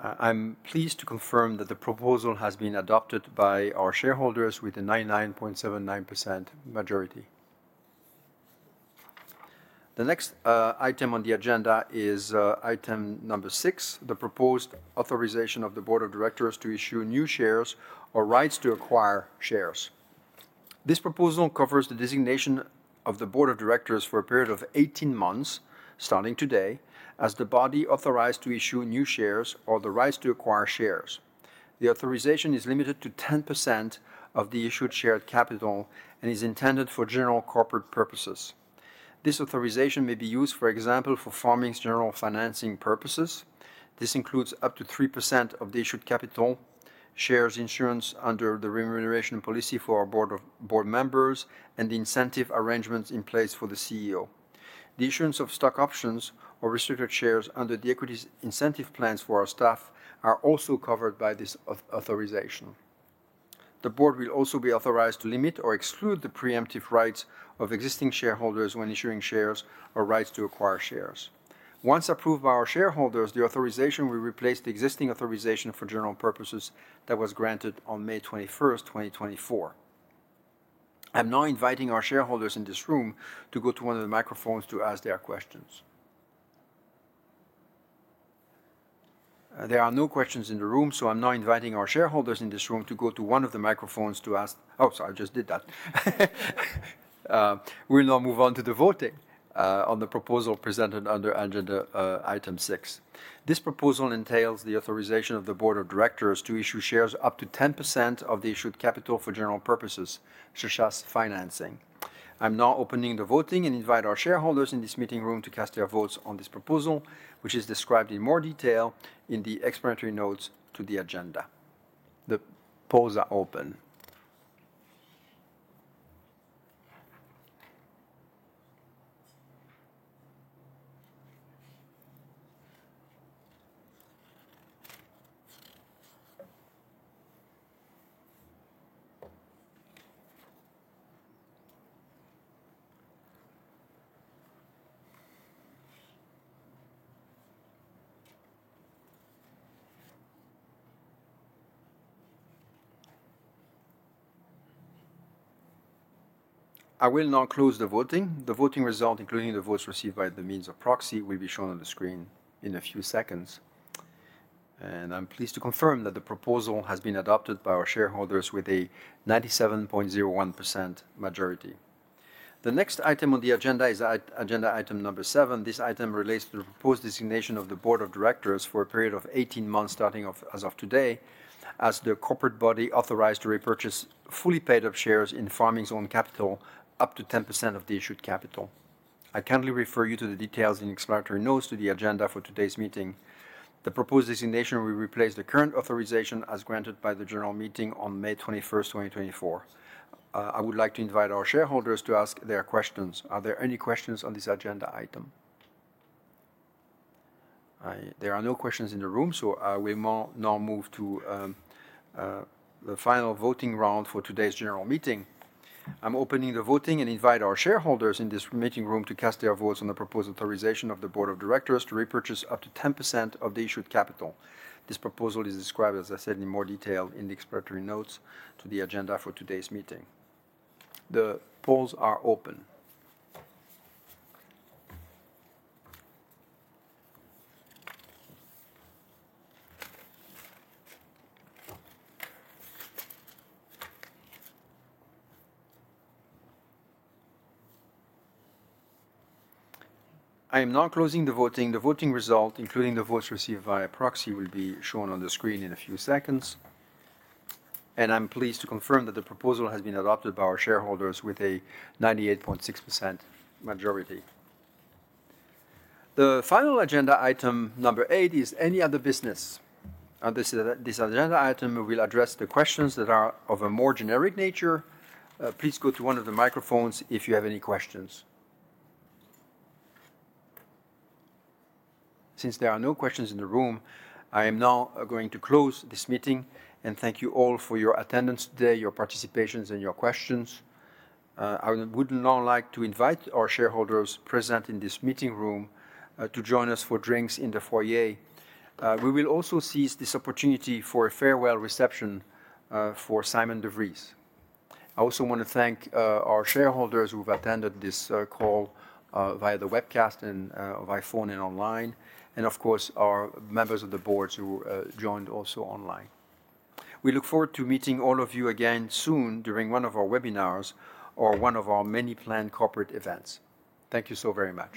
I'm pleased to confirm that the proposal has been adopted by our shareholders with a 99.79% majority. The next item on the agenda is item number six, the proposed authorization of the board of directors to issue new shares or rights to acquire shares. This proposal covers the designation of the board of directors for a period of 18 months, starting today, as the body authorized to issue new shares or the rights to acquire shares. The authorization is limited to 10% of the issued share capital and is intended for general corporate purposes. This authorization may be used, for example, for Pharming's general financing purposes. This includes up to 3% of the issued capital, shares issuance under the remuneration policy for our board members, and the incentive arrangements in place for the CEO. The issuance of stock options or restricted shares under the equity incentive plans for our staff are also covered by this authorization. The board will also be authorized to limit or exclude the preemptive rights of existing shareholders when issuing shares or rights to acquire shares. Once approved by our shareholders, the authorization will replace the existing authorization for general purposes that was granted on May 21, 2024. I'm now inviting our shareholders in this room to go to one of the microphones to ask their questions. There are no questions in the room, so I'm now inviting our shareholders in this room to go to one of the microphones to ask—oh, sorry, I just did that. We'll now move on to the voting on the proposal presented under agenda item six. This proposal entails the authorization of the board of directors to issue shares up to 10% of the issued capital for general purposes, such as financing. I'm now opening the voting and invite our shareholders in this meeting room to cast their votes on this proposal, which is described in more detail in the explanatory notes to the agenda. The polls are open. I will now close the voting. The voting result, including the votes received by means of proxy, will be shown on the screen in a few seconds. I'm pleased to confirm that the proposal has been adopted by our shareholders with a 97.01% majority. The next item on the agenda is agenda item number seven. This item relates to the proposed designation of the board of directors for a period of 18 months starting as of today as the corporate body authorized to repurchase fully paid-up shares in Pharming's own capital up to 10% of the issued capital. I kindly refer you to the details in explanatory notes to the agenda for today's meeting. The proposed designation will replace the current authorization as granted by the general meeting on May 21, 2024. I would like to invite our shareholders to ask their questions. Are there any questions on this agenda item? There are no questions in the room, so I will now move to the final voting round for today's general meeting. I'm opening the voting and invite our shareholders in this meeting room to cast their votes on the proposed authorization of the Board of Directors to repurchase up to 10% of the issued capital. This proposal is described, as I said, in more detail in the explanatory notes to the agenda for today's meeting. The polls are open. I am now closing the voting. The voting result, including the votes received by proxy, will be shown on the screen in a few seconds. I'm pleased to confirm that the proposal has been adopted by our shareholders with a 98.6% majority. The final agenda item, number eight, is any other business. This agenda item will address the questions that are of a more generic nature. Please go to one of the microphones if you have any questions. Since there are no questions in the room, I am now going to close this meeting and thank you all for your attendance today, your participations, and your questions. I would now like to invite our shareholders present in this meeting room to join us for drinks in the foyer. We will also seize this opportunity for a farewell reception for Simon de Vries. I also want to thank our shareholders who have attended this call via the webcast and by phone and online, and of course, our members of the boards who joined also online. We look forward to meeting all of you again soon during one of our webinars or one of our many planned corporate events. Thank you so very much.